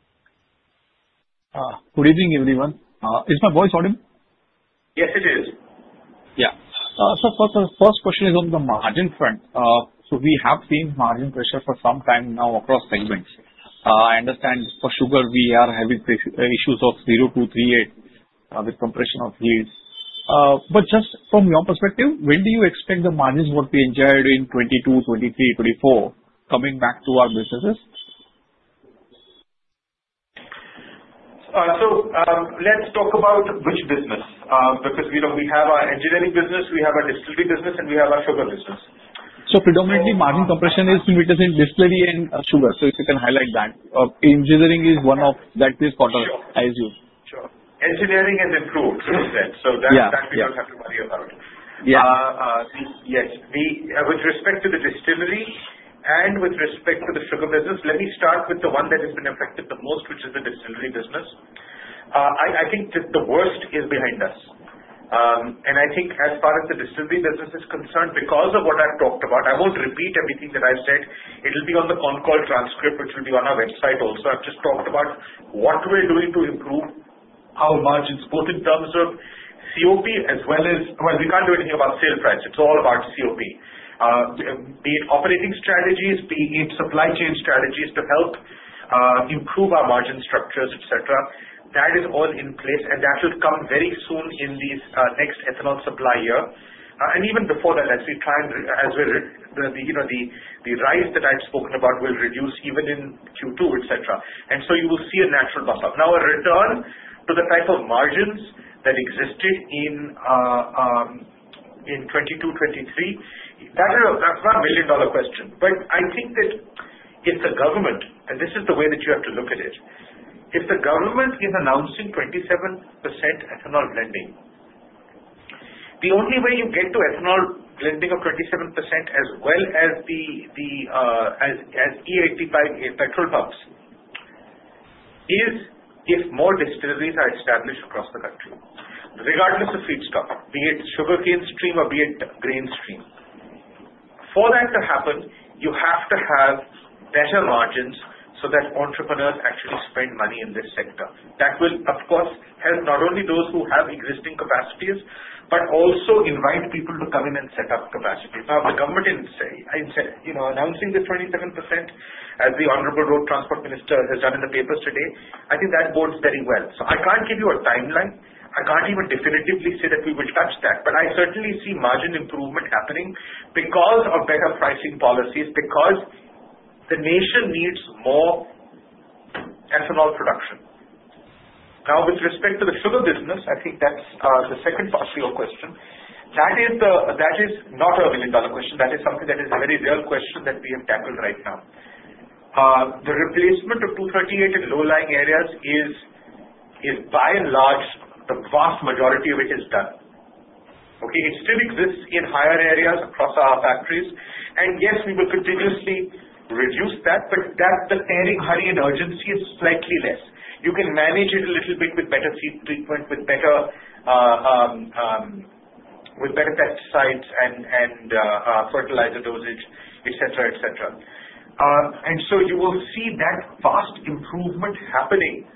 Speaker 6: Good evening, everyone. Is my voice audible?
Speaker 3: Yes, it is.
Speaker 6: Yeah. So first question is on the margin front. So we have seen margin pressure for some time now across segments. I understand for sugar, we are having issues of Co 0238 with compression of yields. But just from your perspective, when do you expect the margins will be enjoyed in 2022, 2023, 2024 coming back to our businesses?
Speaker 3: So let's talk about which business because we have our engineering business, we have our distillery business, and we have our sugar business.
Speaker 6: So predominantly, margin compression is in between, say, distillery and sugar. So if you can highlight that. Engineering is one of that this quarter, as you. Sure.
Speaker 3: Engineering has improved since then. So that we don't have to worry about. Yes. With respect to the distillery and with respect to the sugar business, let me start with the one that has been affected the most, which is the distillery business. I think the worst is behind us. And I think as far as the distillery business is concerned, because of what I've talked about, I won't repeat everything that I've said. It will be on the concall transcript, which will be on our website also. I've just talked about what we're doing to improve our margins both in terms of COP as well as, well, we can't do anything about sale price. It's all about COP, be it operating strategies, be it supply chain strategies to help improve our margin structures, etc. That is all in place, and that will come very soon in the next ethanol supply year. And even before that, as we try and as the rice that I've spoken about will reduce even in Q2, etc. And so you will see a natural buffer. Now, a return to the type of margins that existed in 2022, 2023, that's not a million-dollar question. But I think that if the government, and this is the way that you have to look at it, if the government is announcing 27% ethanol blending, the only way you get to ethanol blending of 27% as well as E85 petrol pumps is if more distilleries are established across the country, regardless of feedstock, be it sugar cane stream or be it grain stream. For that to happen, you have to have better margins so that entrepreneurs actually spend money in this sector. That will, of course, help not only those who have existing capacities, but also invite people to come in and set up capacity. Now, the government is announcing the 27%, as the Honorable Road Transport Minister has done in the papers today. I think that bodes very well. So I can't give you a timeline. I can't even definitively say that we will touch that. But I certainly see margin improvement happening because of better pricing policies, because the nation needs more ethanol production. Now, with respect to the sugar business, I think that's the second part of your question. That is not a million-dollar question. That is something that is a very real question that we have tackled right now. The replacement of Co 0238 in low-lying areas is, by and large, the vast majority of it is done. Okay? It still exists in higher areas across our factories. And yes, we will continuously reduce that, but that's the urgency and the urgency is slightly less. You can manage it a little bit with better seed treatment, with better pesticides and fertilizer dosage, etc., etc. And so you will see that fast improvement happening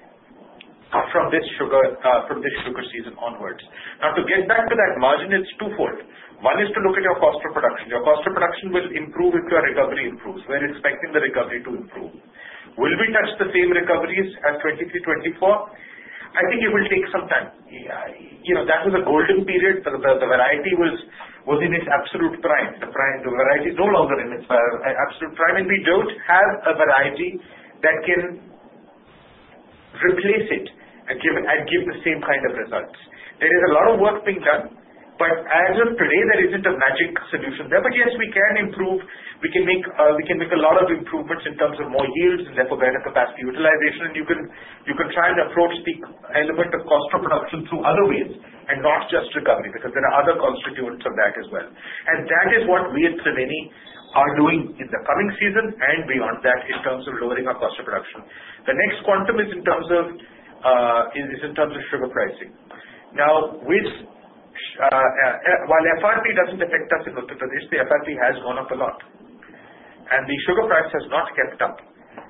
Speaker 3: from this sugar season onwards. Now, to get back to that margin, it's twofold. One is to look at your cost of production. Your cost of production will improve if your recovery improves. We're expecting the recovery to improve. Will we touch the same recoveries as 2023, 2024? I think it will take some time. That was a golden period. The variety was in its absolute prime. The variety is no longer in its absolute prime, and we don't have a variety that can replace it and give the same kind of results. There is a lot of work being done, but as of today, there isn't a magic solution there. But yes, we can improve. We can make a lot of improvements in terms of more yields and therefore better capacity utilization. And you can try and approach the element of cost of production through other ways and not just recovery because there are other constituents of that as well. That is what we at Triveni are doing in the coming season and beyond that in terms of lowering our cost of production. The next quantum is in terms of sugar pricing. Now, while FRP doesn't affect us in Uttar Pradesh, the FRP has gone up a lot. The sugar price has not kept up.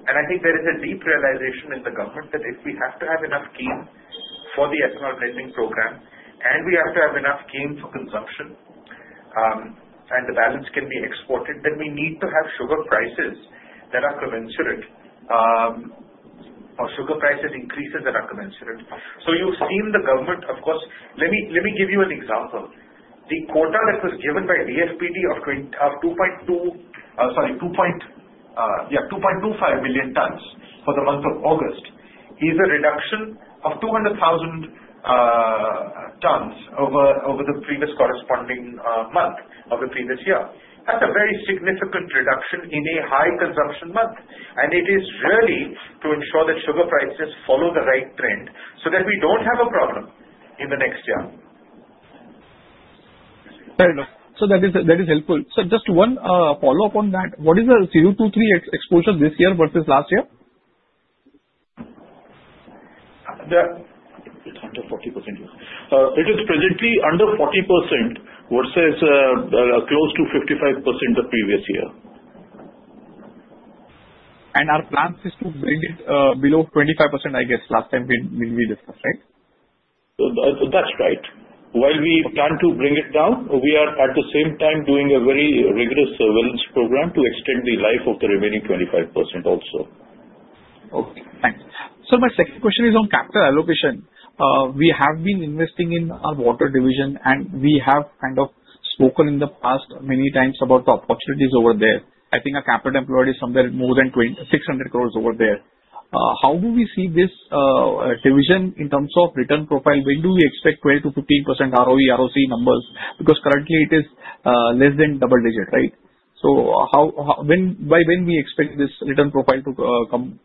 Speaker 3: I think there is a deep realization in the government that if we have to have enough cane for the ethanol blending program, and we have to have enough cane for consumption, and the balance can be exported, then we need to have sugar prices that are commensurate or sugar prices increases that are commensurate. You've seen the government, of course let me give you an example. The quota that was given by DFPD of 2.2, sorry, 2.25 million tons for the month of August is a reduction of 200,000 tons over the previous corresponding month of the previous year. That's a very significant reduction in a high-consumption month. And it is really to ensure that sugar prices follow the right trend so that we don't have a problem in the next year.
Speaker 6: Very good. So that is helpful. So just one follow-up on that. What is the Co 0238 exposure this year versus last year?
Speaker 3: It's under 40%. It is presently under 40% versus close to 55% the previous year.
Speaker 6: And our plan is to bring it below 25%, I guess, last time we discussed, right?
Speaker 3: That's right. While we plan to bring it down, we are at the same time doing a very rigorous wellness programme to extend the life of the remaining 25% also.
Speaker 6: Okay. Thanks. So my second question is on capital allocation. We have been investing in our water division, and we have kind of spoken in the past many times about the opportunities over there. I think our capital employed is somewhere more than 600 crores over there. How do we see this division in terms of return profile? When do we expect 12%-15% ROE, ROC numbers? Because currently, it is less than double-digit, right? So by when we expect this return profile to come?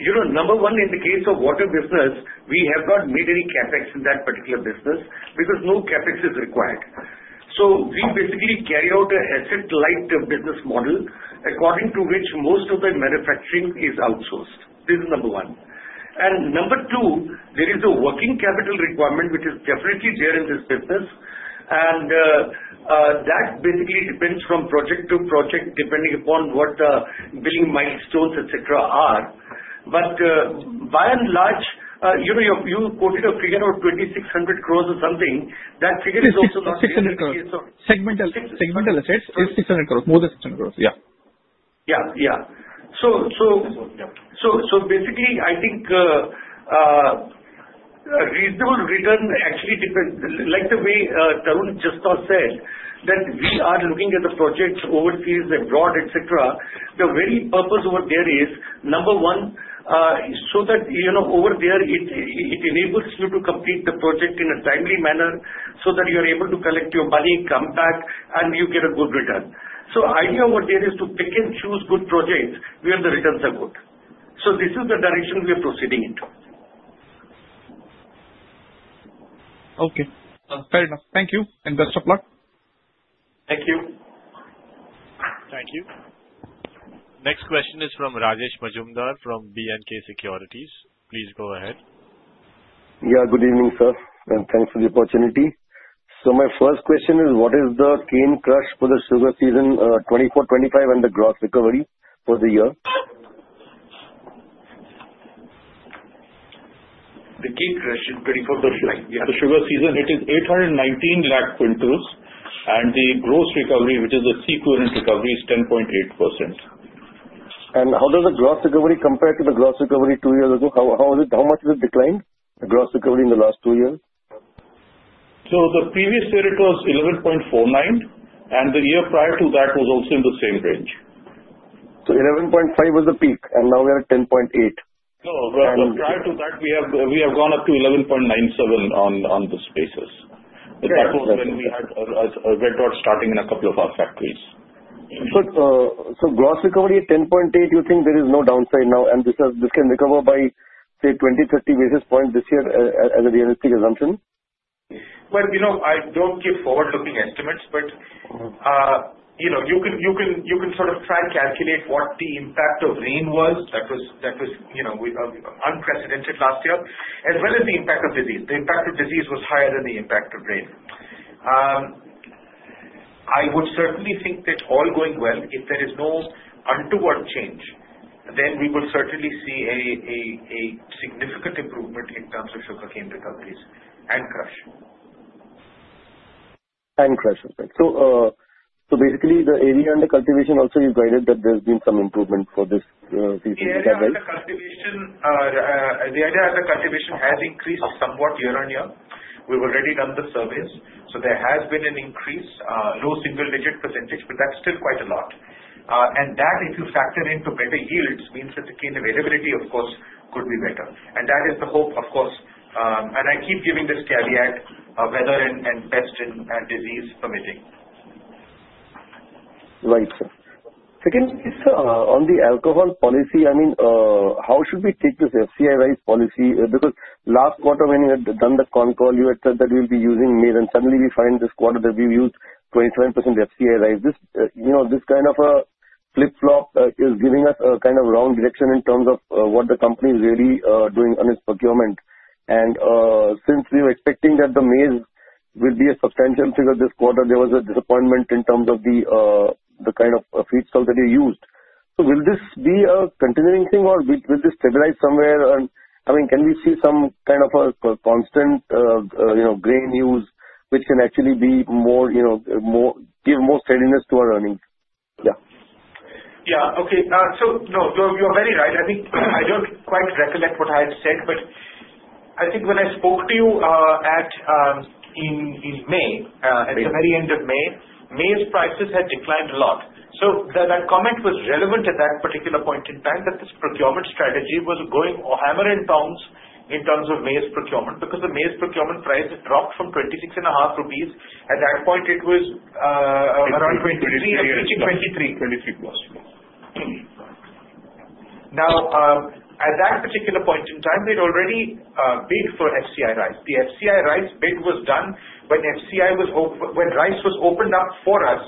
Speaker 7: Number one, in the case of water business, we have not made any CapEx in that particular business because no CapEx is required. So we basically carry out an asset-light business model according to which most of the manufacturing is outsourced. This is number one. And number two, there is a working capital requirement, which is definitely there in this business. And that basically depends from project to project depending upon what the billing milestones, etc., are. But by and large, you quoted a figure of 2,600 crores or something.
Speaker 6: That figure is also not in this case. 600 crores. Segmental. Segmental assets is 600 crores, more than 600 crores.
Speaker 7: Yeah. Yeah. Yeah. So basically, I think a reasonable return actually depends, like the way Tarun just said, that we are looking at the projects overseas and abroad, etc. The very purpose over there is, number one, so that over there, it enables you to complete the project in a timely manner so that you are able to collect your money, come back, and you get a good return. So the idea over there is to pick and choose good projects where the returns are good. So this is the direction we are proceeding into.
Speaker 6: Okay. Fair enough. Thank you. Best of luck.
Speaker 3: Thank you.
Speaker 1: Thank you. Next question is from Rajesh Majumdar from B&K Securities. Please go ahead.
Speaker 8: Yeah. Good evening, sir. And thanks for the opportunity. So my first question is, what is the cane crush for the sugar season 2024-25, and the gross recovery for the year?
Speaker 3: The cane crush is 24 percent. The sugar season, it is 819 lakh quintals. And the gross recovery, which is the equivalent recovery, is 10.8%.
Speaker 8: And how does the gross recovery compare to the gross recovery two years ago? How much has it declined, the gross recovery in the last two years?
Speaker 3: So the previous year, it was 11.49%. And the year prior to that was also in the same range.
Speaker 8: So 11.5% was the peak, and now we are at 10.8%.
Speaker 3: No. Prior to that, we have gone up to 11.97% on this basis. That was when we had a red rot starting in a couple of our factories.
Speaker 8: So gross recovery at 10.8%, you think there is no downside now, and this can recover by, say, 20-30 basis points this year as a realistic assumption?
Speaker 3: Well, I don't give forward-looking estimates, but you can sort of try and calculate what the impact of rain was that was unprecedented last year, as well as the impact of disease. The impact of disease was higher than the impact of rain. I would certainly think that all going well, if there is no untoward change, then we will certainly see a significant improvement in terms of sugar cane recoveries and crush.
Speaker 8: And crush. So basically, the area under cultivation also, you guided that there's been some improvement for this season?.
Speaker 3: The area under cultivation has increased somewhat year-on-year. We've already done the surveys. So there has been an increase, low single-digit %, but that's still quite a lot. And that, if you factor into better yields, means that the cane availability, of course, could be better. And that is the hope, of course. And I keep giving this caveat of weather and pest and disease permitting.
Speaker 8: Right. Second, on the alcohol policy, I mean, how should we take this FCI rice policy? Because last quarter, when you had done the concall, you had said that we'll be using maize, and suddenly we find this quarter that we've used 27% FCI rice. This kind of a flip-flop is giving us a kind of wrong direction in terms of what the company is really doing on its procurement. Since we were expecting that the maize will be a substantial figure this quarter, there was a disappointment in terms of the kind of feedstock that you used. So will this be a continuing thing, or will this stabilize somewhere? I mean, can we see some kind of a constant grain use which can actually give more steadiness to our earnings?
Speaker 3: Yeah. Yeah. Okay. No, you're very right. I don't quite recollect what I had said, but I think when I spoke to you in May, at the very end of May, maize prices had declined a lot. So that comment was relevant at that particular point in time that this procurement strategy was going hammer and tongs in terms of maize procurement because the maize procurement price dropped from 26.5 rupees. At that point, it was around 23+. Now, at that particular point in time, we had already bid for FCI rice. The FCI rice bid was done when rice was opened up for us,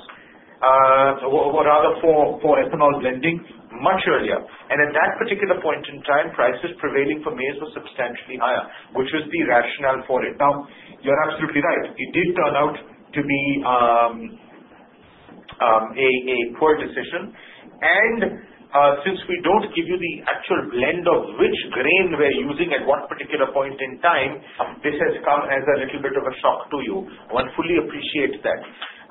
Speaker 3: rather for ethanol blending, much earlier. And at that particular point in time, prices prevailing for maize were substantially higher, which was the rationale for it. Now, you're absolutely right. It did turn out to be a poor decision. And since we don't give you the actual blend of which grain we're using at what particular point in time, this has come as a little bit of a shock to you. I fully appreciate that.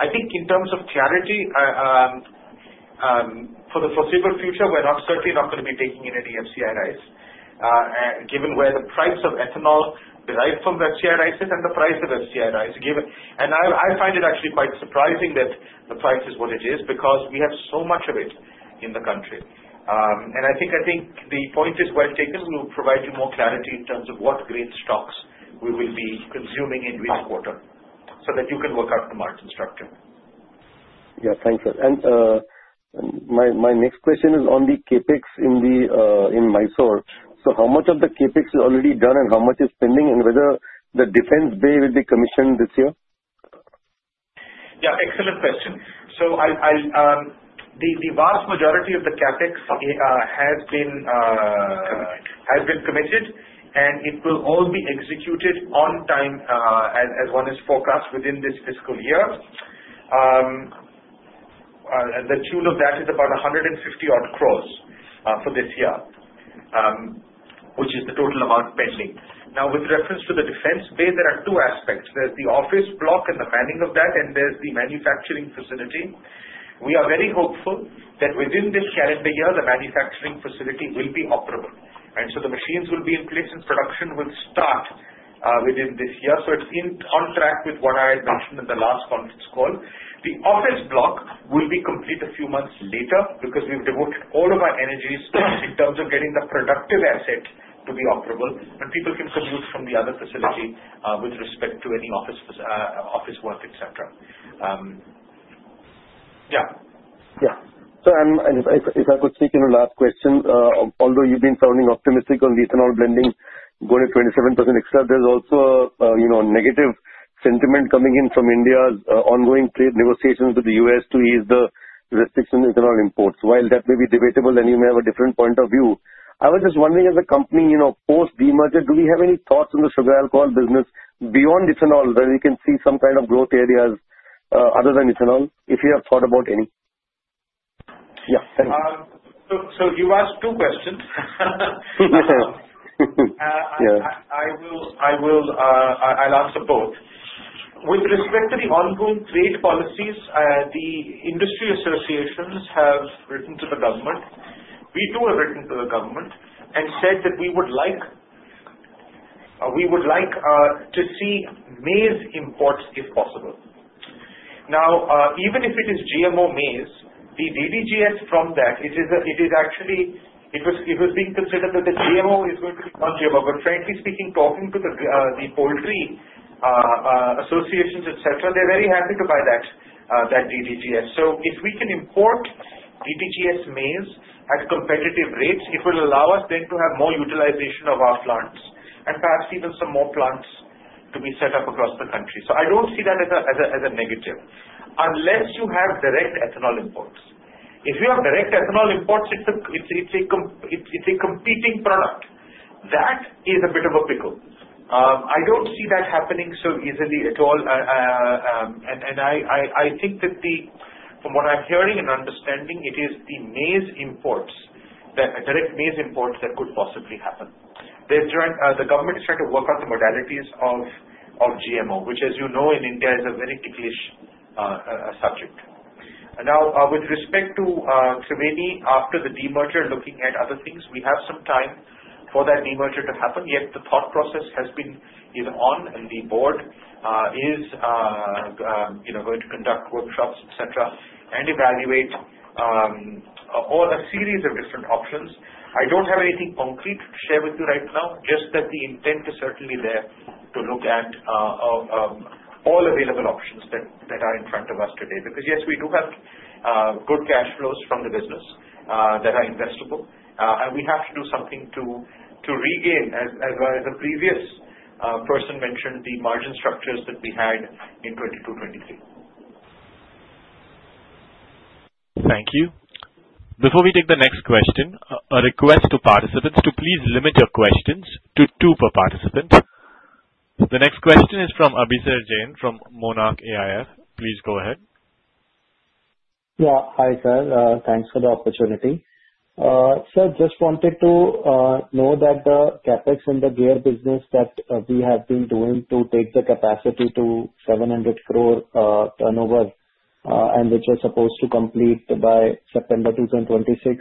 Speaker 3: I think in terms of clarity, for the foreseeable future, we're certainly not going to be taking any FCI rice given where the price of ethanol derived from FCI rice is and the price of FCI rice. And I find it actually quite surprising that the price is what it is because we have so much of it in the country. And I think the point is well taken. We'll provide you more clarity in terms of what grain stocks we will be consuming in this quarter so that you can work out the margin structure.
Speaker 8: Yeah. Thanks. And my next question is on the CapEx in Mysore. So how much of the CapEx is already done and how much is pending, and whether the defense bay will be commissioned this year?
Speaker 3: Yeah. Excellent question. So the vast majority of the CapEx has been committed, and it will all be executed on time as we forecast within this fiscal year. To the tune of that is about 150-odd crores for this year, which is the total amount pending. Now, with reference to the defense bay, there are two aspects. There's the office block and the manning of that, and there's the manufacturing facility. We are very hopeful that within this calendar year, the manufacturing facility will be operable, and so the machines will be in place, and production will start within this year, so it's on track with what I had mentioned in the last conference call. The office block will be complete a few months later because we've devoted all of our energies in terms of getting the productive asset to be operable, and people can commute from the other facility with respect to any office work, etc.
Speaker 8: Yeah. Yeah. So if I could sneak in a last question, although you've been sounding optimistic on the ethanol blending going at 27%, there's also a negative sentiment coming in from India's ongoing trade negotiations with the U.S. to ease the restriction on ethanol imports. While that may be debatable, and you may have a different point of view, I was just wondering, as a company post-merger, do we have any thoughts on the sugar alcohol business beyond ethanol where we can see some kind of growth areas other than ethanol, if you have thought about any? Yeah. Thank you.
Speaker 3: So you asked two questions. I'll answer both. With respect to the ongoing trade policies, the industry associations have written to the government. We too have written to the government and said that we would like to see maize imports if possible. Now, even if it is GMO maize, the DDGS from that, it is actually it was being considered that the GMO is going to be non-GMO. But frankly speaking, talking to the poultry associations, etc., they're very happy to buy that DDGS. So if we can import DDGS maize at competitive rates, it will allow us then to have more utilization of our plants and perhaps even some more plants to be set up across the country. So I don't see that as a negative unless you have direct ethanol imports. If you have direct ethanol imports, it's a competing product. That is a bit of a pickle. I don't see that happening so easily at all. And I think that from what I'm hearing and understanding, it is the maize imports, the direct maize imports that could possibly happen. The government is trying to work out the modalities of GMO, which, as you know, in India, is a very ticklish subject. Now, with respect to Triveni, after the demerger, looking at other things, we have some time for that demerger to happen. Yet the thought process has been on, and the board is going to conduct workshops, etc., and evaluate a series of different options. I don't have anything concrete to share with you right now, just that the intent is certainly there to look at all available options that are in front of us today. Because yes, we do have good cash flows from the business that are investable, and we have to do something to regain, as a previous person mentioned, the margin structures that we had in 2022, 2023.
Speaker 8: Thank you.
Speaker 1: Before we take the next question, a request to participants to please limit your questions to two per participant. The next question is from Abhisar Jain from Monarch AIF. Please go ahead.
Speaker 9: Yeah. Hi, sir. Thanks for the opportunity. Sir, just wanted to know that the CapEx in the gear business that we have been doing to take the capacity to 700 crore turnover, and which is supposed to complete by September 2026,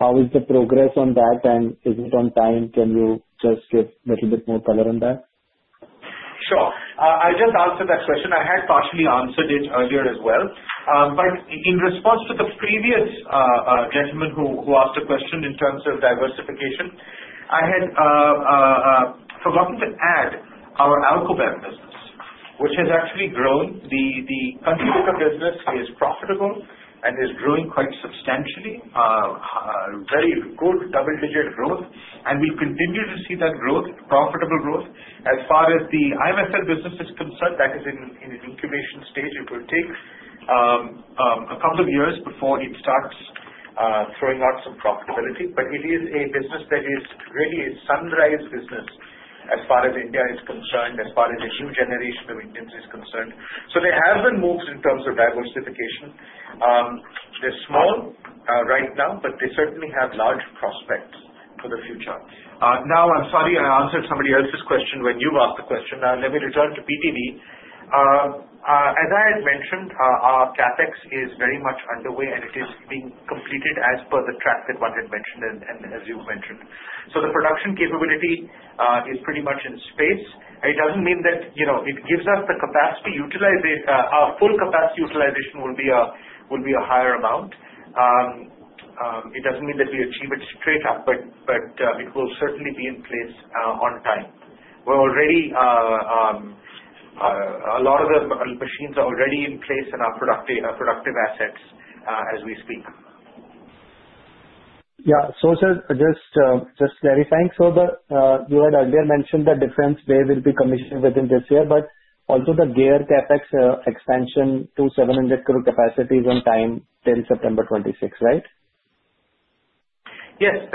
Speaker 9: how is the progress on that, and is it on time? Can you just give a little bit more color on that?
Speaker 3: Sure. I'll just answer that question. I had partially answered it earlier as well. But in response to the previous gentleman who asked a question in terms of diversification, I had forgotten to add our alcohol business, which has actually grown. The country liquor business is profitable and is growing quite substantially, very good double-digit growth, and we'll continue to see that growth, profitable growth. As far as the IMFL business is concerned, that is in an incubation stage. It will take a couple of years before it starts throwing out some profitability. But it is a business that is really a sunrise business as far as India is concerned, as far as a new generation of Indians is concerned. So there have been moves in terms of diversification. They're small right now, but they certainly have large prospects for the future. Now, I'm sorry, I answered somebody else's question when you've asked the question. Now, let me return to PTD. As I had mentioned, our CapEx is very much underway, and it is being completed as per the track that one had mentioned and as you've mentioned. The production capability is pretty much in place. It doesn't mean that it gives us the capacity. Our full capacity utilization will be a higher amount. It doesn't mean that we achieve it straight up, but it will certainly be in place on time. A lot of the machines are already in place in our productive assets as we speak.
Speaker 9: Yeah. So just clarifying further, you had earlier mentioned that defense bay will be commissioned within this year, but also the gear CapEx expansion to 700 crore capacity is on time till September 2026, right?
Speaker 3: Yes.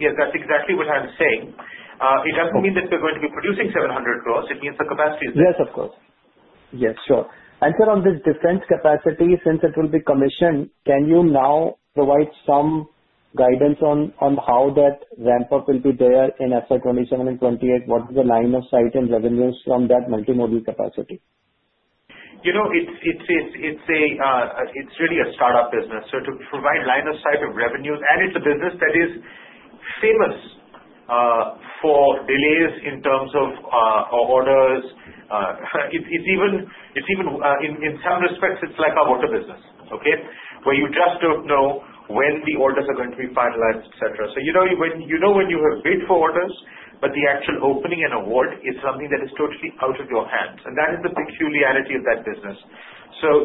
Speaker 3: Yes, that's exactly what I was saying. It doesn't mean that we're going to be producing 700 crores. It means the capacity is there.
Speaker 9: Yes, of course. Yes. Sure. Sir, on the defense capacity, since it will be commissioned, can you now provide some guidance on how that ramp-up will be there in FY 27 and 28? What is the line of sight and revenues from that multimodal capacity?
Speaker 3: It's really a startup business. So to provide line of sight of revenues, and it's a business that is famous for delays in terms of orders. In some respects, it's like a water business, okay, where you just don't know when the orders are going to be finalized, etc. So you know when you have bid for orders, but the actual opening and award is something that is totally out of your hands. And that is the peculiarity of that business. So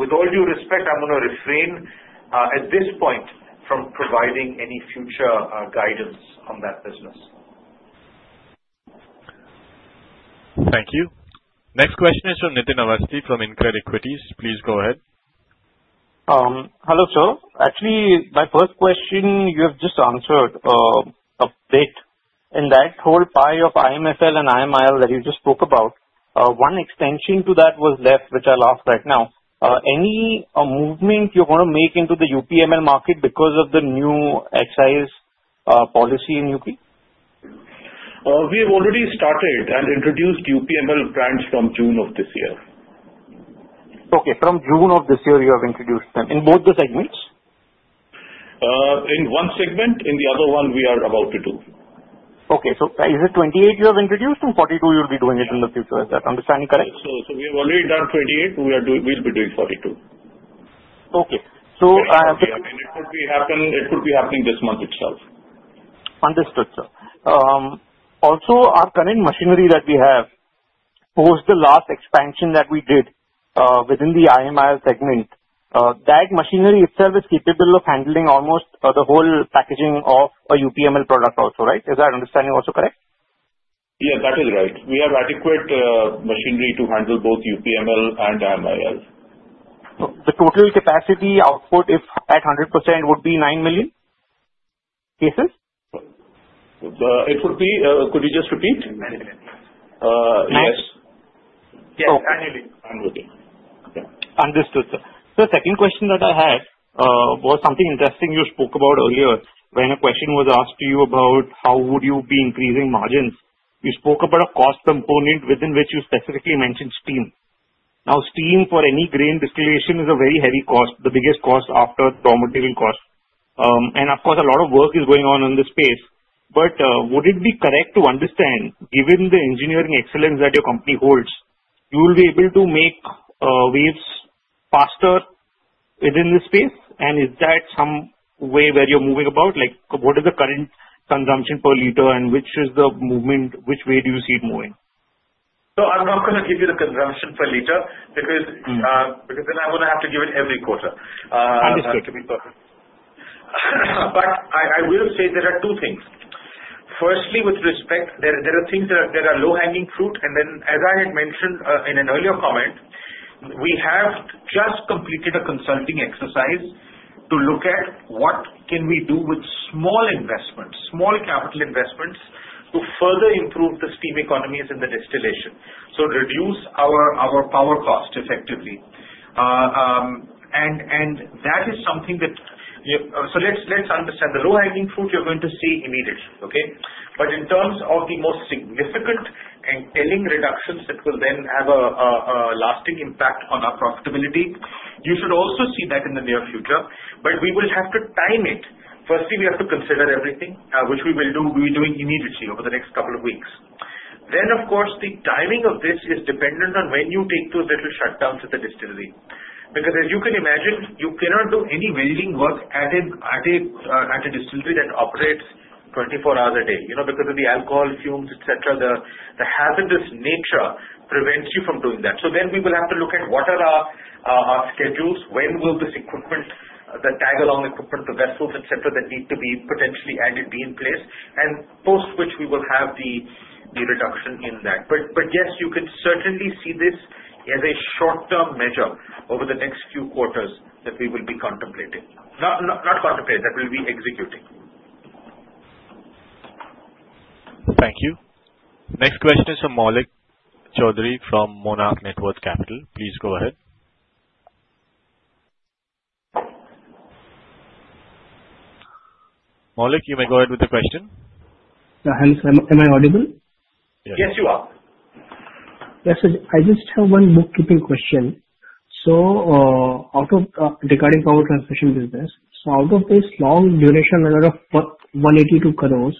Speaker 3: with all due respect, I'm going to refrain at this point from providing any future guidance on that business.
Speaker 1: Thank you. Next question is from Nitin Awasthi from InCred Equities. Please go ahead.
Speaker 10: Hello, sir. Actually, my first question you have just answered a bit in that whole pie of IMFL and IMIL that you just spoke about. One extension to that was left, which I'll ask right now. Any movement you're going to make into the UPML market because of the new excise policy in UP?
Speaker 7: We have already started and introduced UPML brand from June of this year.
Speaker 10: Okay. From June of this year, you have introduced them in both the segments?
Speaker 7: In one segment. In the other one, we are about to do. Okay.
Speaker 10: So is it 28 you have introduced and 42 you'll be doing it in the future? Is that understanding correct?
Speaker 7: So we have already done 28. We'll be doing 42. Okay. So I understand. And it could be happening this month itself.
Speaker 10: Understood, sir. Also, our current machinery that we have post the last expansion that we did within the IMIL segment, that machinery itself is capable of handling almost the whole packaging of a UPML product also, right? Is that understanding also correct?
Speaker 7: Yes, that is right. We have adequate machinery to handle both UPML and IMIL.
Speaker 10: The total capacity output at 100% would be 9 million cases?
Speaker 7: Could you just repeat? Yes. Yes. Annually. Annually.
Speaker 10: Understood, sir. So the second question that I had was something interesting you spoke about earlier when a question was asked to you about how would you be increasing margins. You spoke about a cost component within which you specifically mentioned steam. Now, steam for any grain distillation is a very heavy cost, the biggest cost after raw material cost. And of course, a lot of work is going on in this space. But would it be correct to understand, given the engineering excellence that your company holds, you will be able to make waves faster within this space? And is that some way where you're moving about? What is the current consumption per liter, and which is the movement? Which way do you see it moving?
Speaker 3: So I'm not going to give you the consumption per liter because then I'm going to have to give it every quarter. Understood. But I will say there are two things. Firstly, with respect, there are things that are low-hanging fruit. And then, as I had mentioned in an earlier comment, we have just completed a consulting exercise to look at what can we do with small investments, small capital investments to further improve the steam economies in the distillation, so reduce our power cost effectively. That is something that so let's understand the low-hanging fruit you're going to see immediately, okay? But in terms of the most significant and telling reductions that will then have a lasting impact on our profitability, you should also see that in the near future. But we will have to time it. Firstly, we have to consider everything, which we will be doing immediately over the next couple of weeks. Then, of course, the timing of this is dependent on when you take those little shutdowns at the distillery. Because, as you can imagine, you cannot do any welding work at a distillery that operates 24 hours a day because of the alcohol fumes, etc. The hazardous nature prevents you from doing that. So then we will have to look at what are our schedules, when will this equipment, the tag-along equipment, the vessels, etc., that need to be potentially added be in place, and post which we will have the reduction in that. But yes, you can certainly see this as a short-term measure over the next few quarters that we will be contemplating. Not contemplating, that we'll be executing.
Speaker 1: Thank you. Next question is from Maulik Choudhuri from Monarch Networth Capital. Please go ahead. Maulik, you may go ahead with the question.
Speaker 11: Am I audible?
Speaker 3: Yes, you are.
Speaker 11: Yes, sir. I just have one bookkeeping question. So regarding Power Transmission Business, so out of this long duration of 182 crores,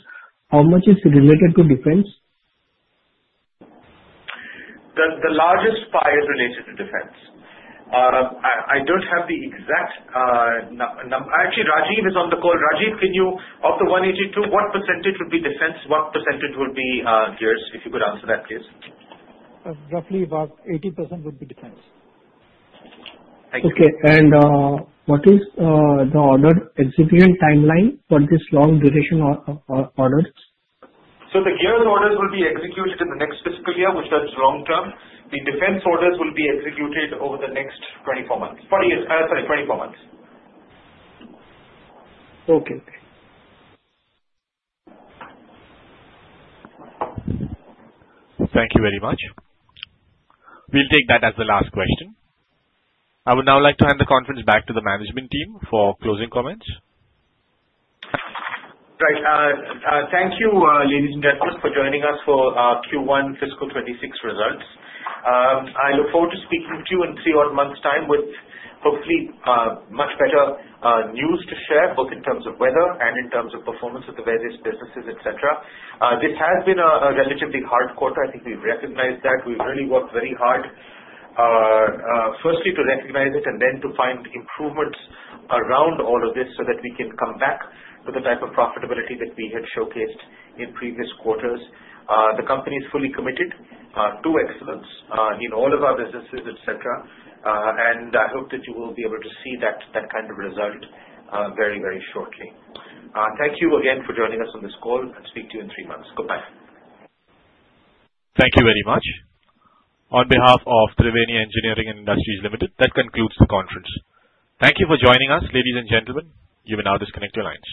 Speaker 11: how much is related to defense?
Speaker 3: The largest pie is related to defense. I don't have the exact number. Actually, Rajiv is on the call. Rajiv, of the 182, what percentage would be defense? What percentage would be gears? If you could answer that, please.
Speaker 12: Roughly about 80% would be defense.
Speaker 3: Thank you. Okay. And what is the order execution timeline for this long duration orders? So the gears orders will be executed in the next fiscal year, which is long term. The defense orders will be executed over the next 24 months. Sorry, 24 months.
Speaker 1: Okay. Thank you very much. We'll take that as the last question. I would now like to hand the conference back to the management team for closing comments.
Speaker 3: Right. Thank you, ladies and gentlemen, for joining us for Q1 Fiscal 2026 results. I look forward to speaking to you in three or four months' time with hopefully much better news to share, both in terms of weather and in terms of performance of the various businesses, etc. This has been a relatively hard quarter. I think we recognize that. We've really worked very hard, firstly, to recognize it and then to find improvements around all of this so that we can come back to the type of profitability that we had showcased in previous quarters. The company is fully committed to excellence in all of our businesses, etc. And I hope that you will be able to see that kind of result very, very shortly. Thank you again for joining us on this call. I'll speak to you in three months. Goodbye.
Speaker 1: Thank you very much. On behalf of Triveni Engineering & Industries Limited, that concludes the conference. Thank you for joining us, ladies and gentlemen. You may now disconnect your lines.